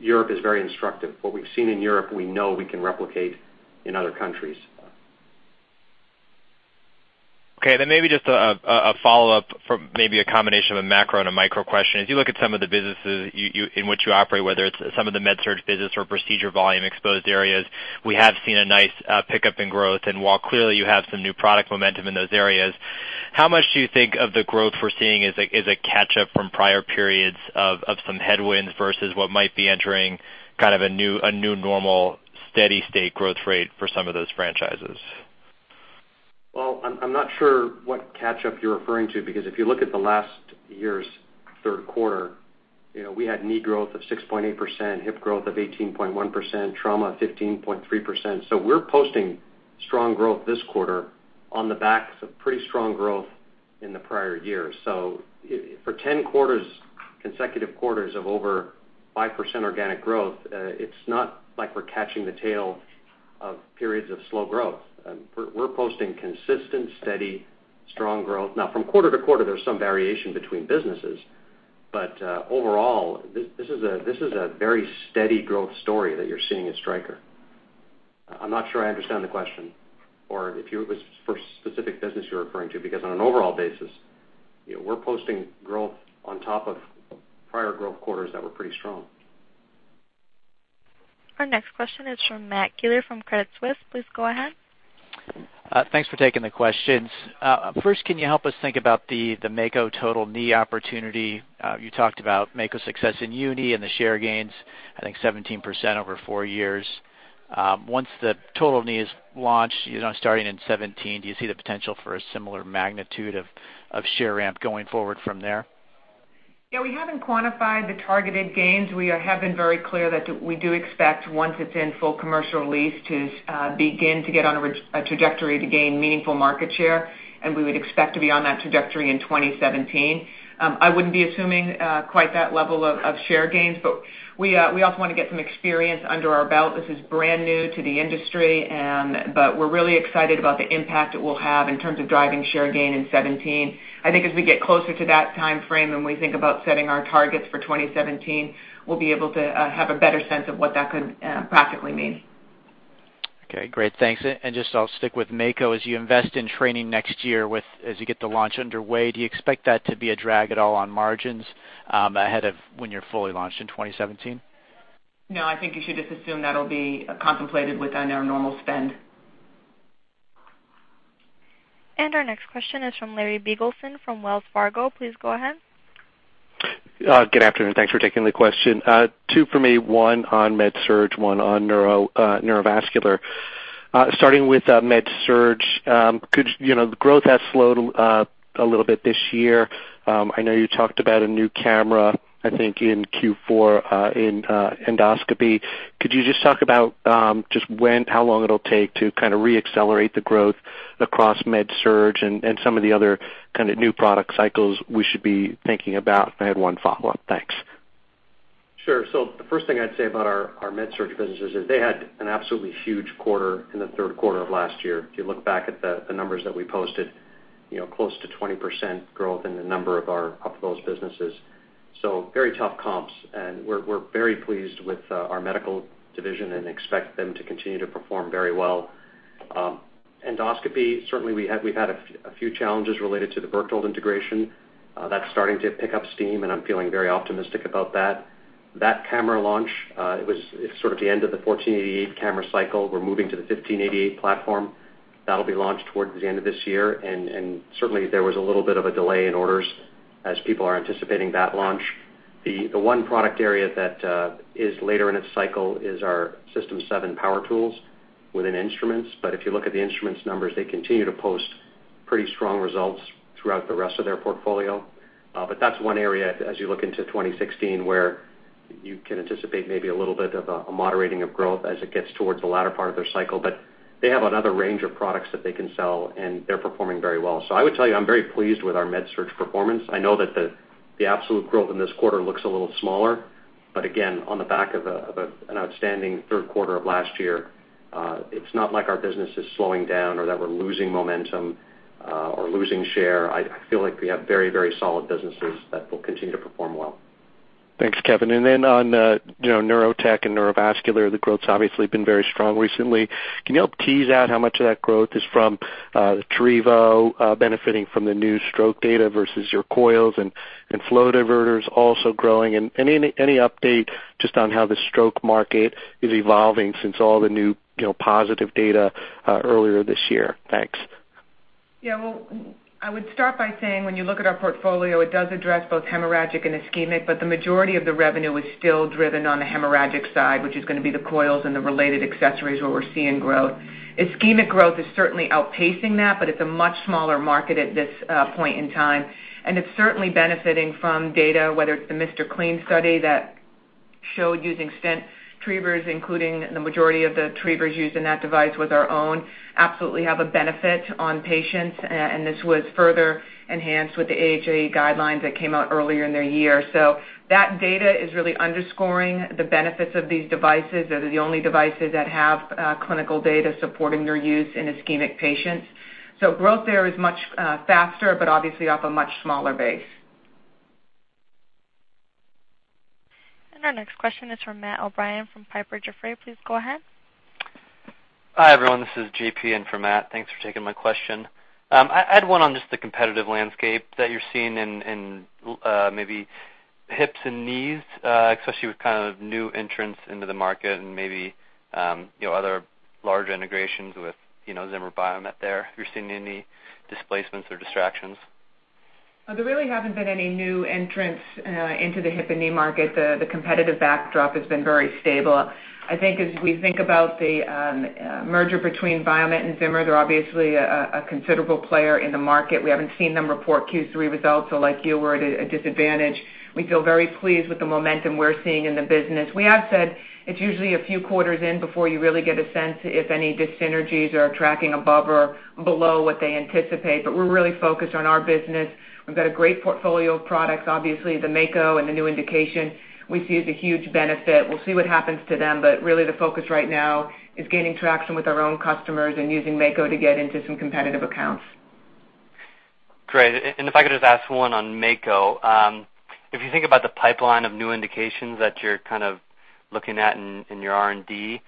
Europe is very instructive. What we've seen in Europe, we know we can replicate in other countries. Maybe just a follow-up from maybe a combination of a macro and a micro question. As you look at some of the businesses in which you operate, whether it's some of the MedSurg business or procedure volume exposed areas, we have seen a nice pickup in growth. While clearly you have some new product momentum in those areas, how much do you think of the growth we're seeing as a catch-up from prior periods of some headwinds versus what might be entering kind of a new normal, steady state growth rate for some of those franchises? Well, I'm not sure what catch-up you're referring to, if you look at the last year's third quarter, we had knee growth of 6.8%, hip growth of 18.1%, trauma 15.3%. We're posting strong growth this quarter on the backs of pretty strong growth in the prior year. For 10 consecutive quarters of over 5% organic growth, it's not like we're catching the tail of periods of slow growth. We're posting consistent, steady, strong growth. Now, from quarter to quarter, there's some variation between businesses, overall, this is a very steady growth story that you're seeing at Stryker. I'm not sure I understand the question, or if it was for a specific business you're referring to, on an overall basis, we're posting growth on top of prior growth quarters that were pretty strong. Our next question is from Matt Keeler from Credit Suisse. Please go ahead. Thanks for taking the questions. First, can you help us think about the Mako total knee opportunity? You talked about Mako's success in uni and the share gains, I think 17% over four years. Once the total knee is launched starting in 2017, do you see the potential for a similar magnitude of share ramp going forward from there? Yeah, we haven't quantified the targeted gains. We have been very clear that we do expect, once it's in full commercial release, to begin to get on a trajectory to gain meaningful market share, and we would expect to be on that trajectory in 2017. I wouldn't be assuming quite that level of share gains, but we also want to get some experience under our belt. This is brand new to the industry, but we're really excited about the impact it will have in terms of driving share gain in 2017. I think as we get closer to that timeframe and we think about setting our targets for 2017, we'll be able to have a better sense of what that could practically mean. Okay, great. Thanks. Just I'll stick with Mako. As you invest in training next year as you get the launch underway, do you expect that to be a drag at all on margins ahead of when you're fully launched in 2017? No, I think you should just assume that'll be contemplated within our normal spend. Our next question is from Larry Biegelsen from Wells Fargo. Please go ahead. Good afternoon. Thanks for taking the question. Two from me, one on MedSurg, one on neurovascular. Starting with MedSurg, the growth has slowed a little bit this year. I know you talked about a new camera, I think, in Q4 in endoscopy. Could you just talk about just when, how long it'll take to kind of re-accelerate the growth across MedSurg and some of the other kind of new product cycles we should be thinking about? I had one follow-up. Thanks. Sure. The first thing I'd say about our MedSurg businesses is they had an absolutely huge quarter in the third quarter of last year. If you look back at the numbers that we posted, close to 20% growth in a number of those businesses. Very tough comps, and we're very pleased with our medical division and expect them to continue to perform very well. Endoscopy, certainly, we've had a few challenges related to the Berchtold integration. That's starting to pick up steam, and I'm feeling very optimistic about that. That camera launch, it was sort of the end of the 1488 camera cycle. We're moving to the 1588 platform. That'll be launched towards the end of this year, and certainly, there was a little bit of a delay in orders as people are anticipating that launch. The one product area that is later in its cycle is our System 7 power tools within instruments. If you look at the instruments numbers, they continue to post pretty strong results throughout the rest of their portfolio. That's one area, as you look into 2016, where you can anticipate maybe a little bit of a moderating of growth as it gets towards the latter part of their cycle. They have another range of products that they can sell, and they're performing very well. I would tell you, I'm very pleased with our MedSurg performance. I know that the absolute growth in this quarter looks a little smaller, but again, on the back of an outstanding third quarter of last year, it's not like our business is slowing down or that we're losing momentum or losing share. I feel like we have very solid businesses that will continue to perform well. Thanks, Kevin. On Neurotech and Neurovascular, the growth's obviously been very strong recently. Can you help tease out how much of that growth is from Trevo benefiting from the new stroke data versus your coils and flow diverters also growing? Any update just on how the stroke market is evolving since all the new positive data earlier this year? Thanks. Well, I would start by saying, when you look at our portfolio, it does address both hemorrhagic and ischemic, but the majority of the revenue is still driven on the hemorrhagic side, which is going to be the coils and the related accessories where we're seeing growth. Ischemic growth is certainly outpacing that, but it's a much smaller market at this point in time, and it's certainly benefiting from data, whether it's the MR CLEAN study that showed using stent retrievers, including the majority of the retrievers used in that device was our own, absolutely have a benefit on patients, and this was further enhanced with the AHA guidelines that came out earlier in the year. That data is really underscoring the benefits of these devices. They're the only devices that have clinical data supporting their use in ischemic patients. Growth there is much faster, but obviously off a much smaller base. Our next question is from Matthew O'Brien from Piper Jaffray. Please go ahead. Hi, everyone. This is JP in for Matt. Thanks for taking my question. I had one on just the competitive landscape that you're seeing in maybe hips and knees, especially with kind of new entrants into the market and maybe other large integrations with Zimmer Biomet there. If you're seeing any displacements or distractions. There really haven't been any new entrants into the hip and knee market. The competitive backdrop has been very stable. I think as we think about the merger between Biomet and Zimmer, they're obviously a considerable player in the market. We haven't seen them report Q3 results, so like you, we're at a disadvantage. We feel very pleased with the momentum we're seeing in the business. We have said it's usually a few quarters in before you really get a sense if any dyssynergies are tracking above or below what they anticipate. We're really focused on our business. We've got a great portfolio of products. Obviously, the Mako and the new indication we see is a huge benefit. We'll see what happens to them, but really the focus right now is gaining traction with our own customers and using Mako to get into some competitive accounts. Great. If I could just ask one on Mako. If you think about the pipeline of new indications that you're kind of looking at in your R&D,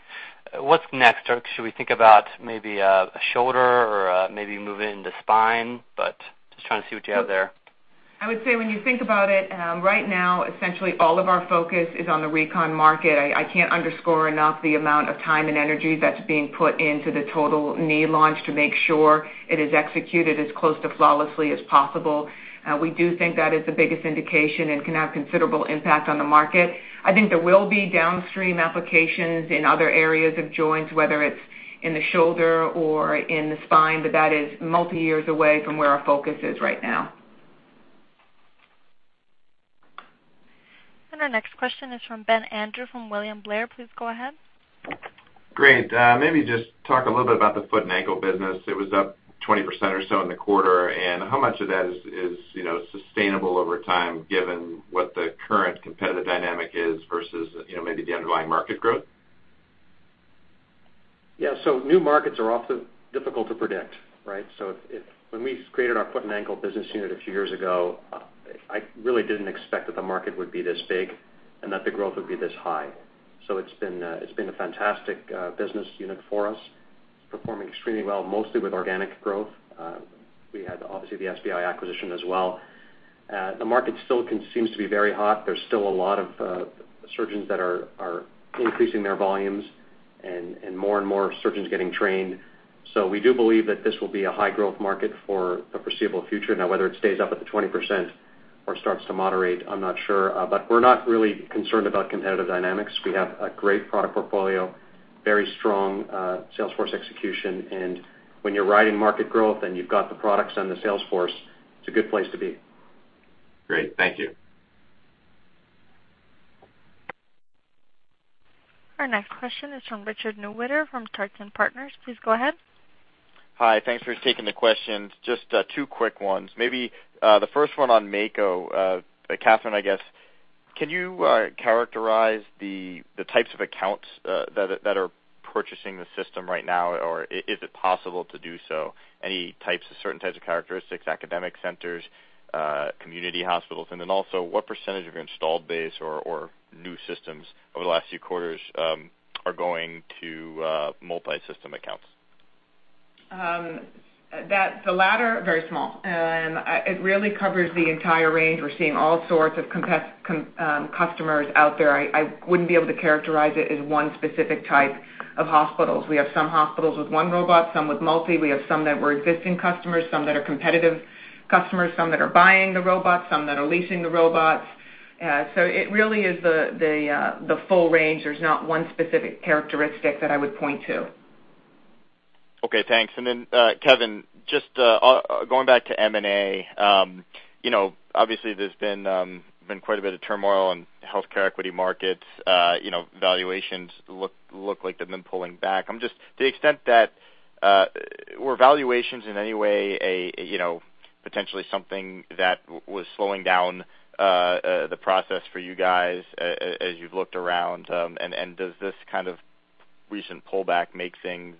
what's next? Should we think about maybe a shoulder or maybe moving into spine? Just trying to see what you have there. I would say when you think about it, right now, essentially all of our focus is on the recon market. I can't underscore enough the amount of time and energy that's being put into the total knee launch to make sure it is executed as close to flawlessly as possible. We do think that is the biggest indication and can have considerable impact on the market. I think there will be downstream applications in other areas of joints, whether it's in the shoulder or in the spine, but that is multi-years away from where our focus is right now. Our next question is from Benjamin Andrew from William Blair. Please go ahead. Great. Maybe just talk a little bit about the foot and ankle business. It was up 20% or so in the quarter, and how much of that is sustainable over time given what the current competitive dynamic is versus maybe the underlying market growth? Yeah. New markets are often difficult to predict, right? When we created our foot and ankle business unit a few years ago, I really didn't expect that the market would be this big and that the growth would be this high. It's been a fantastic business unit for us, performing extremely well, mostly with organic growth. We had, obviously, the SBI acquisition as well. The market still seems to be very hot. There's still a lot of surgeons that are increasing their volumes and more and more surgeons getting trained. We do believe that this will be a high-growth market for the foreseeable future. Now, whether it stays up at the 20% or starts to moderate, I'm not sure. We're not really concerned about competitive dynamics. We have a great product portfolio, very strong sales force execution, when you're riding market growth and you've got the products and the sales force, it's a good place to be. Great. Thank you. Our next question is from Richard Newitter from Leerink Partners. Please go ahead. Hi. Thanks for taking the questions. Just two quick ones. Maybe the first one on Mako. Katherine, I guess, can you characterize the types of accounts that are purchasing the system right now, or is it possible to do so? Any certain types of characteristics, academic centers, community hospitals? Also, what percentage of your installed base or new systems over the last few quarters are going to multi-system accounts? The latter, very small. It really covers the entire range. We're seeing all sorts of customers out there. I wouldn't be able to characterize it as one specific type of hospitals. We have some hospitals with one robot, some with multi. We have some that were existing customers, some that are competitive customers, some that are buying the robots, some that are leasing the robots. It really is the full range. There's not one specific characteristic that I would point to. Okay, thanks. Kevin, just going back to M&A. Obviously, there's been quite a bit of turmoil in healthcare equity markets. Valuations look like they've been pulling back. To the extent that were valuations in any way potentially something that was slowing down the process for you guys as you've looked around, and does this kind of recent pullback make things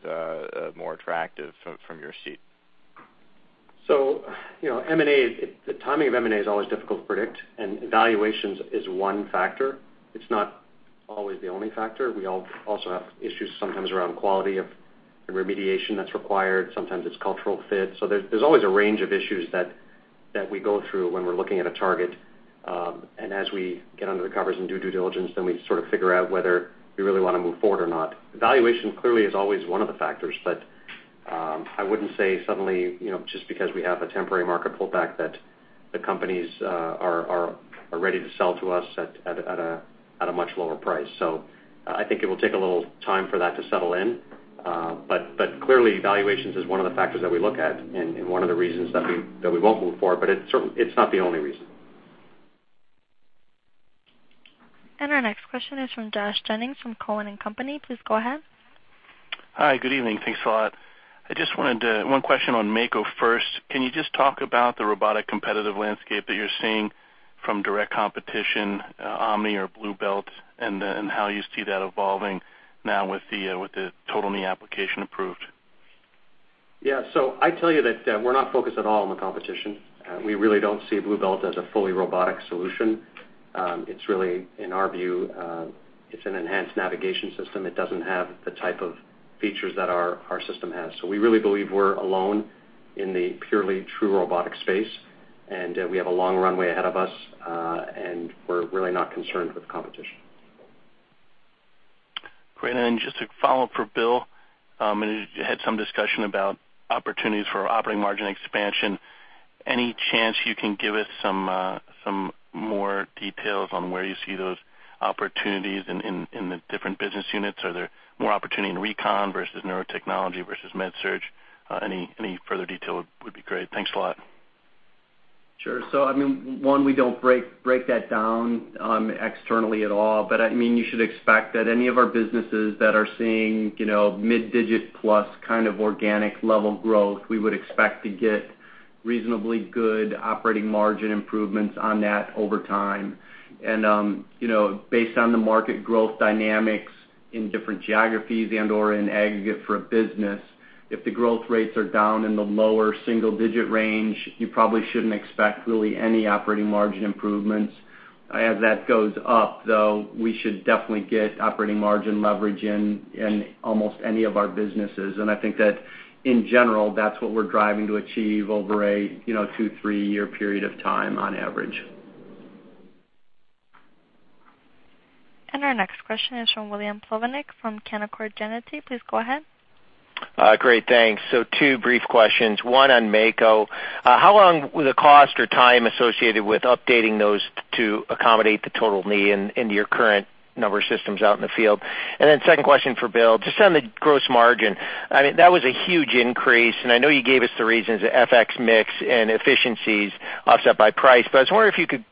more attractive from your seat? The timing of M&A is always difficult to predict, and valuations is one factor. It's not always the only factor. We also have issues sometimes around quality of the remediation that's required. Sometimes it's cultural fit. There's always a range of issues that we go through when we're looking at a target. As we get under the covers and do due diligence, then we sort of figure out whether we really want to move forward or not. Valuation clearly is always one of the factors, but I wouldn't say suddenly, just because we have a temporary market pullback, that the companies are ready to sell to us at a much lower price. I think it will take a little time for that to settle in. Clearly valuations is one of the factors that we look at and one of the reasons that we won't move forward, but it's not the only reason. Our next question is from Josh Jennings from Cowen and Company. Please go ahead. Hi, good evening. Thanks a lot. I just wanted one question on Mako first. Can you just talk about the robotic competitive landscape that you're seeing from direct competition, Omni or Blue Belt, and then how you see that evolving now with the total knee application approved? Yeah. I tell you that we're not focused at all on the competition. We really don't see Blue Belt as a fully robotic solution. It's really, in our view, it's an enhanced navigation system. It doesn't have the type of features that our system has. We really believe we're alone in the purely true robotic space, and we have a long runway ahead of us, and we're really not concerned with competition. Great. Just a follow-up for Bill. You had some discussion about opportunities for operating margin expansion. Any chance you can give us some more details on where you see those opportunities in the different business units? Are there more opportunity in recon versus Neurotechnology versus MedSurg? Any further detail would be great. Thanks a lot. Sure. One, we don't break that down externally at all. You should expect that any of our businesses that are seeing mid-digit plus kind of organic level growth, we would expect to get reasonably good operating margin improvements on that over time. Based on the market growth dynamics in different geographies and, or in aggregate for a business, if the growth rates are down in the lower single-digit range, you probably shouldn't expect really any operating margin improvements. As that goes up, though, we should definitely get operating margin leverage in almost any of our businesses. I think that in general, that's what we're driving to achieve over a two, three-year period of time on average. Our next question is from William Plovanic from Canaccord Genuity. Please go ahead. Great, thanks. Two brief questions, one on Mako. How long will the cost or time associated with updating those to accommodate the total knee into your current number of systems out in the field? Second question for Bill, just on the gross margin. That was a huge increase, and I know you gave us the reasons, the FX mix and efficiencies offset by price, but I was wondering if you could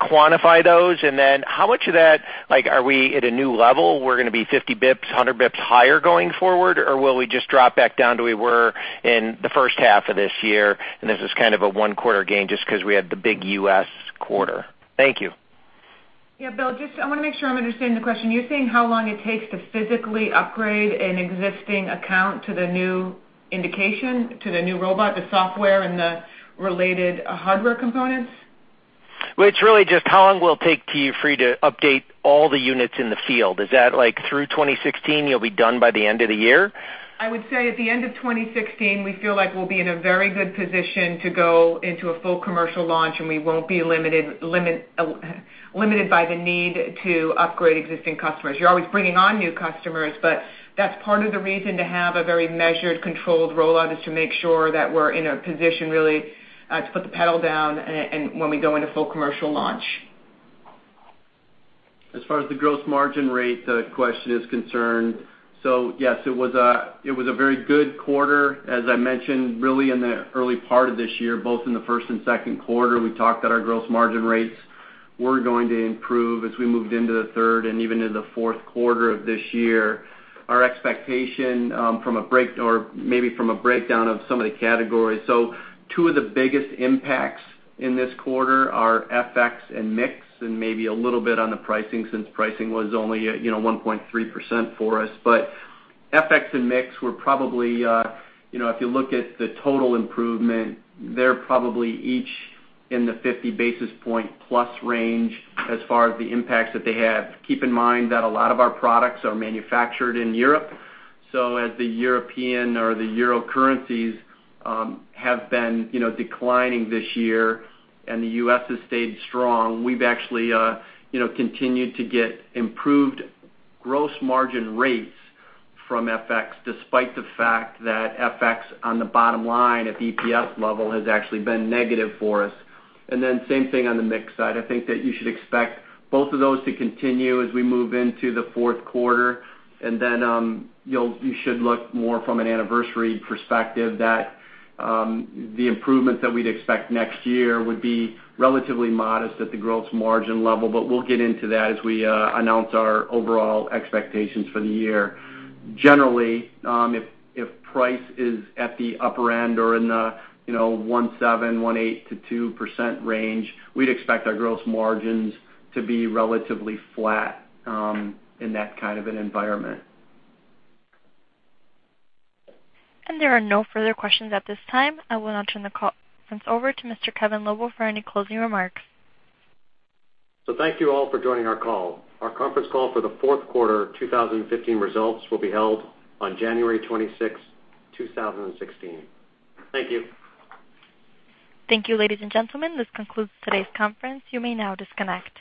quantify those, and then how much of that, are we at a new level? We're going to be 50 basis points, 100 basis points higher going forward, or will we just drop back down to we were in the first half of this year and this is kind of a one-quarter gain just because we had the big U.S. quarter? Thank you. Yeah, Bill, I want to make sure I'm understanding the question. You're saying how long it takes to physically upgrade an existing account to the new indication, to the new robot, the software, and the related hardware components? Well, it's really just how long will it take to you for you to update all the units in the field? Is that like through 2016, you'll be done by the end of the year? I would say at the end of 2016, we feel like we'll be in a very good position to go into a full commercial launch. We won't be limited by the need to upgrade existing customers. You're always bringing on new customers, that's part of the reason to have a very measured, controlled rollout is to make sure that we're in a position, really, to put the pedal down and when we go into full commercial launch. As far as the gross margin rate question is concerned, yes, it was a very good quarter. As I mentioned, really in the early part of this year, both in the first and second quarter, we talked that our gross margin rates We're going to improve as we moved into the third and even into the fourth quarter of this year. Our expectation from a breakdown of some of the categories. Two of the biggest impacts in this quarter are FX and mix, and maybe a little bit on the pricing since pricing was only 1.3% for us. FX and mix were probably, if you look at the total improvement, they're probably each in the 50 basis point plus range as far as the impacts that they had. Keep in mind that a lot of our products are manufactured in Europe. As the European or the euro currencies have been declining this year and the U.S. has stayed strong, we've actually continued to get improved gross margin rates from FX, despite the fact that FX on the bottom line at the EPS level has actually been negative for us. Same thing on the mix side. I think that you should expect both of those to continue as we move into the fourth quarter, you should look more from an anniversary perspective that the improvements that we'd expect next year would be relatively modest at the gross margin level. We'll get into that as we announce our overall expectations for the year. Generally, if price is at the upper end or in the 1.7, 1.8 to 2% range, we'd expect our gross margins to be relatively flat in that kind of an environment. There are no further questions at this time. I will now turn the conference over to Mr. Kevin Lobo for any closing remarks. Thank you all for joining our call. Our conference call for the fourth quarter 2015 results will be held on January 26, 2016. Thank you. Thank you, ladies and gentlemen. This concludes today's conference. You may now disconnect.